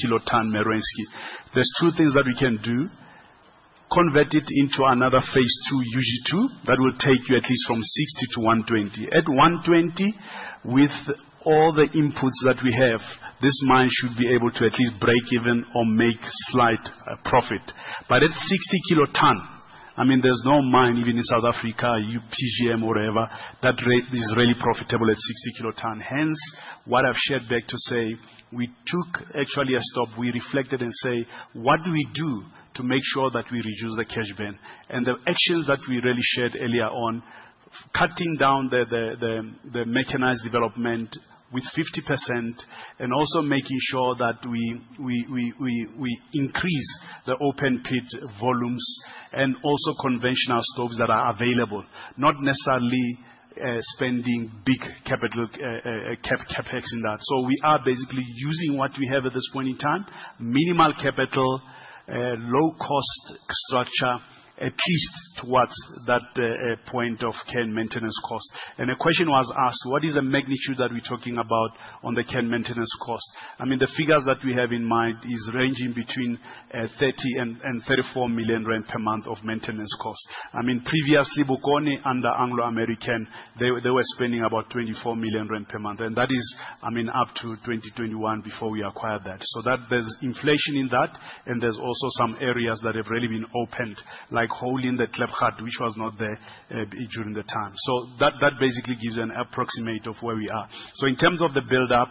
kiloton Merensky? There are two things that we can do. Convert it into another phase two UG2 that will take you at least from 60 to 120. At 120, with all the inputs that we have, this mine should be able to at least break even or make slight profit. I mean, at 60-kilo ton, there is no mine even in South Africa, PGM or wherever, that is really profitable at 60-kilo ton. Hence, what I have shared back to say, we took actually a stop. We reflected and said, what do we do to make sure that we reduce the cash burn? The actions that we really shared earlier on, cutting down the mechanized development with 50% and also making sure that we increase the open pit volumes and also conventional stocks that are available, not necessarily spending big capital CapEx in that. We are basically using what we have at this point in time, minimal capital, low-cost structure, at least towards that point of care and maintenance cost. A question was asked, what is the magnitude that we're talking about on the care and maintenance cost? I mean, the figures that we have in mind is ranging between 30 million-34 million rand per month of maintenance cost. I mean, previously, Bokoni under Anglo American, they were spending about 24 million rand per month. That is, I mean, up to 2021 before we acquired that. There is inflation in that, and there is also some areas that have really been opened, like holding the club hut, which was not there during the time. That basically gives an approximate of where we are. In terms of the build-up,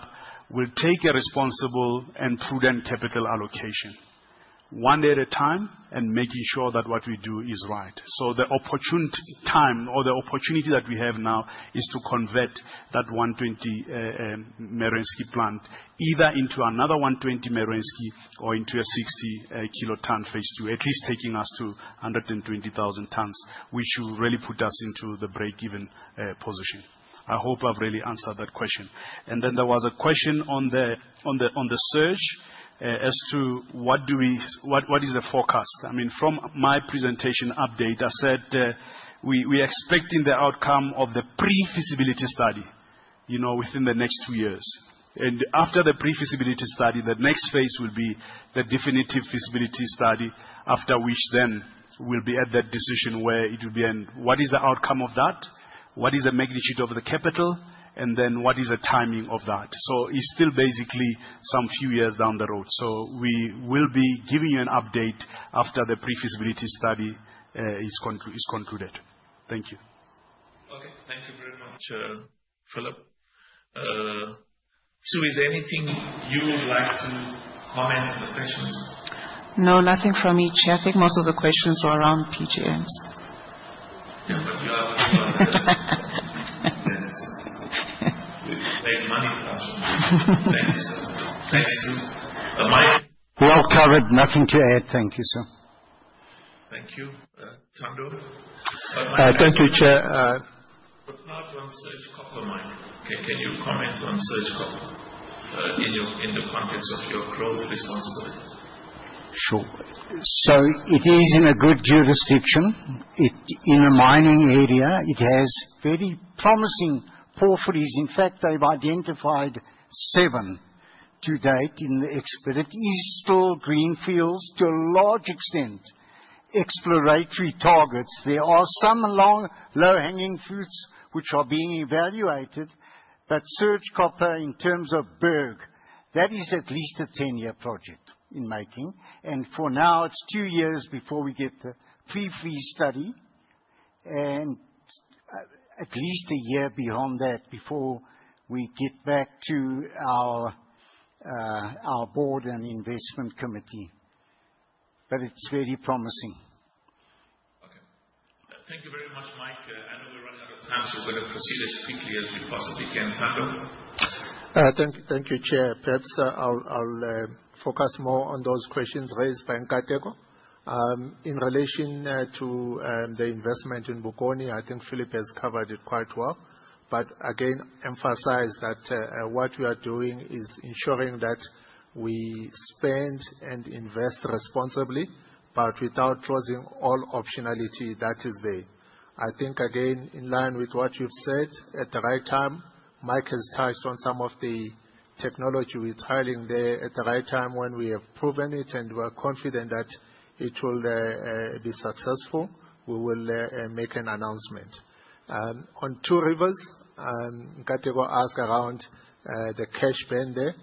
we'll take a responsible and prudent capital allocation, one at a time, and making sure that what we do is right. The opportunity time or the opportunity that we have now is to convert that 120 Miransky plant either into another 120 Miransky or into a 60-kilo ton phase two, at least taking us to 120,000 tons, which will really put us into the break-even position. I hope I've really answered that question. There was a question on the surge as to what is the forecast. I mean, from my presentation update, I said we are expecting the outcome of the pre-feasibility study within the next two years. After the pre-feasibility study, the next phase will be the definitive feasibility study, after which then we'll be at that decision where it will be end. What is the outcome of that? What is the magnitude of the capital? What is the timing of that? It is still basically some few years down the road. We will be giving you an update after the pre-feasibility study is concluded. Thank you. Okay. Thank you very much, Philip. Sue, is there anything you would like to comment on the questions? No, nothing from me, Chair. I think most of the questions were around PGMs. Yeah, but you have a lot of sense. Make money function. Thanks. Thanks, Sue. Mike. We all covered. Nothing to add. Thank you, sir. Thank you. Thando? Thank you, Chair. Not on Surge Copper, Mike. Can you comment on Surge Copper in the context of your growth responsibility? Sure. It is in a good jurisdiction. In a mining area, it has very promising properties. In fact, they've identified seven to date in the expertise. It is still greenfields to a large extent, exploratory targets. There are some low-hanging fruits which are being evaluated. Surge Copper in terms of Berg, that is at least a 10-year project in making. For now, it's two years before we get the pre-feasibility study and at least a year beyond that before we get back to our board and investment committee. It is very promising. Okay. Thank you very much, Mike. I know we're running out of time, so we're going to proceed as quickly as we possibly can. Tando? Thank you, Chair. Perhaps I'll focus more on those questions raised by Gadegoma. In relation to the investment in Bokoni, I think Philip has covered it quite well. Again, emphasize that what we are doing is ensuring that we spend and invest responsibly, but without drawing all optionality that is there. I think, again, in line with what you've said, at the right time, Mike has touched on some of the technology we're trialing there at the right time when we have proven it and we're confident that it will be successful, we will make an announcement. On Two Rivers, Gadegoma asked around the cash burn there.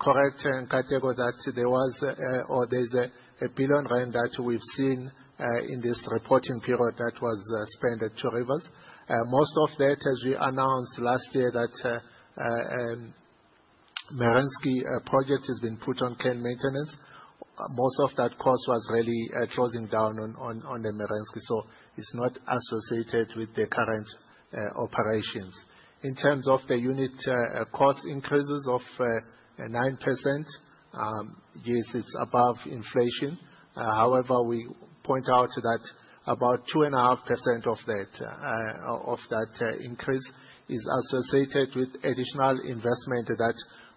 Correct, Gadegoma, that there was or there's 1 billion rand that we've seen in this reporting period that was spent at Two Rivers. Most of that, as we announced last year, that Merensky project has been put on care and maintenance. Most of that cost was really drawing down on the Merensky. So it's not associated with the current operations. In terms of the unit cost increases of 9%, yes, it's above inflation. However, we point out that about 2.5% of that increase is associated with additional investment that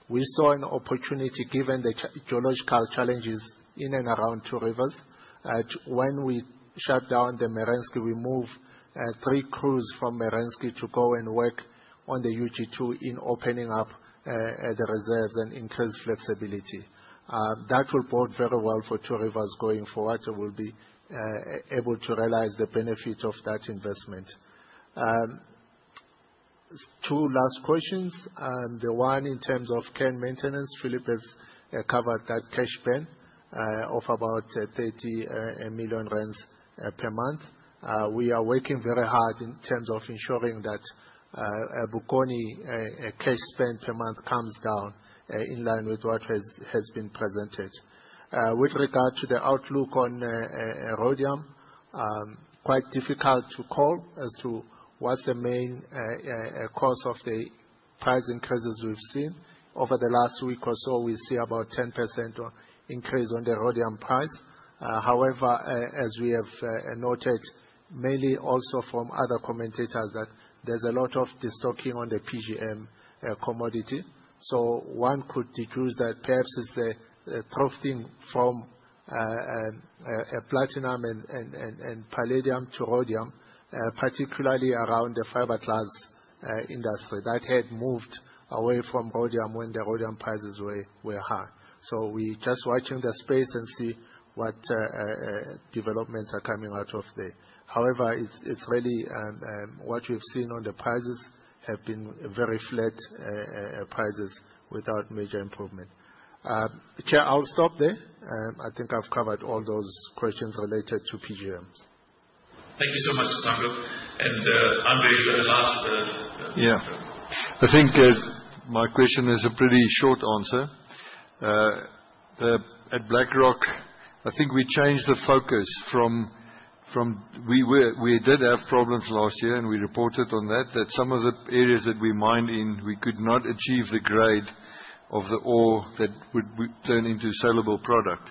we saw an opportunity given the geological challenges in and around Two Rivers. When we shut down the Merensky, we moved three crews from Merensky to go and work on the UG2 in opening up the reserves and increase flexibility. That will work very well for Two Rivers going forward. It will be able to realize the benefit of that investment. Two last questions. The one in terms of care and maintenance, Philip has covered that cash burn of about 30 million rand per month. We are working very hard in terms of ensuring that Bokoni cash spent per month comes down in line with what has been presented. With regard to the outlook on rhodium, quite difficult to call as to what's the main cause of the price increases we've seen. Over the last week or so, we see about 10% increase on the rhodium price. However, as we have noted, mainly also from other commentators that there's a lot of destocking on the PGM commodity. One could deduce that perhaps it's a drifting from platinum and palladium to rhodium, particularly around the fiberglass industry that had moved away from rhodium when the rhodium prices were high. We are just watching the space and see what developments are coming out of there. However, it's really what we've seen on the prices have been very flat prices without major improvement. Chair, I'll stop there. I think I've covered all those questions related to PGMs. Thank you so much, Thando. Andre, you got a last answer. Yeah. I think my question has a pretty short answer. At Black Rock, I think we changed the focus from we did have problems last year, and we reported on that, that some of the areas that we mined in, we could not achieve the grade of the ore that would turn into a saleable product.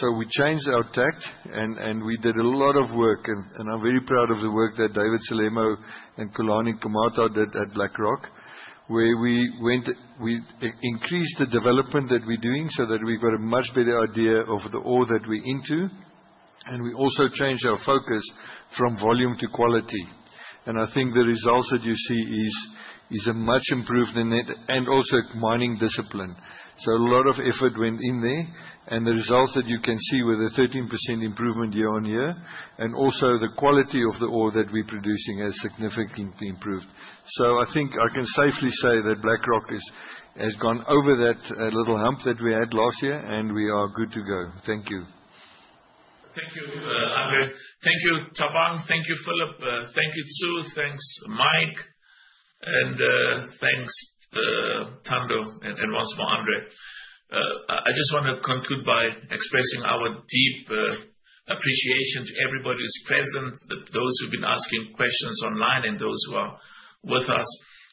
We changed our tact and we did a lot of work. I am very proud of the work that David Salembo and Kulani Kumata did at Black Rock, where we increased the development that we are doing so that we have got a much better idea of the ore that we are into. We also changed our focus from volume to quality. I think the results that you see is a much improvement in that and also mining discipline. A lot of effort went in there. The results that you can see with a 13% improvement year on year. Also, the quality of the ore that we are producing has significantly improved. I think I can safely say that Black Rock has gone over that little hump that we had last year, and we are good to go. Thank you. Thank you, Andre. Thank you, Thabang. Thank you, Philip. Thank you, Sue. Thanks, Mike. And thanks, Thando. And once more, Andre. I just want to conclude by expressing our deep appreciation to everybody who's present, those who've been asking questions online, and those who are with us.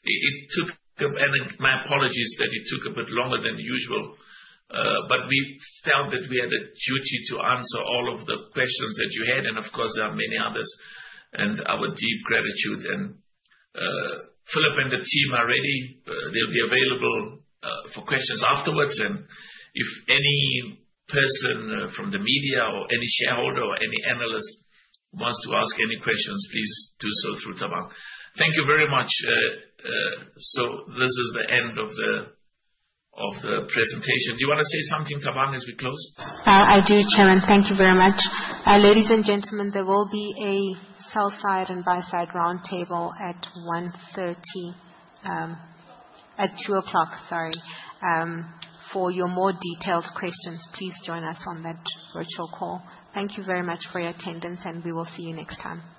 It took a bit—my apologies that it took a bit longer than usual. We felt that we had a duty to answer all of the questions that you had. Of course, there are many others. Our deep gratitude. Philip and the team are ready. They'll be available for questions afterwards. If any person from the media or any shareholder or any analyst wants to ask any questions, please do so through Thabang. Thank you very much. This is the end of the presentation. Do you want to say something, Thabang, as we close? I do, Chairman. Thank you very much. Ladies and gentlemen, there will be a sell-side and buy-side roundtable at 1:30 or 2:00, sorry, for your more detailed questions. Please join us on that virtual call. Thank you very much for your attendance, and we will see you next time.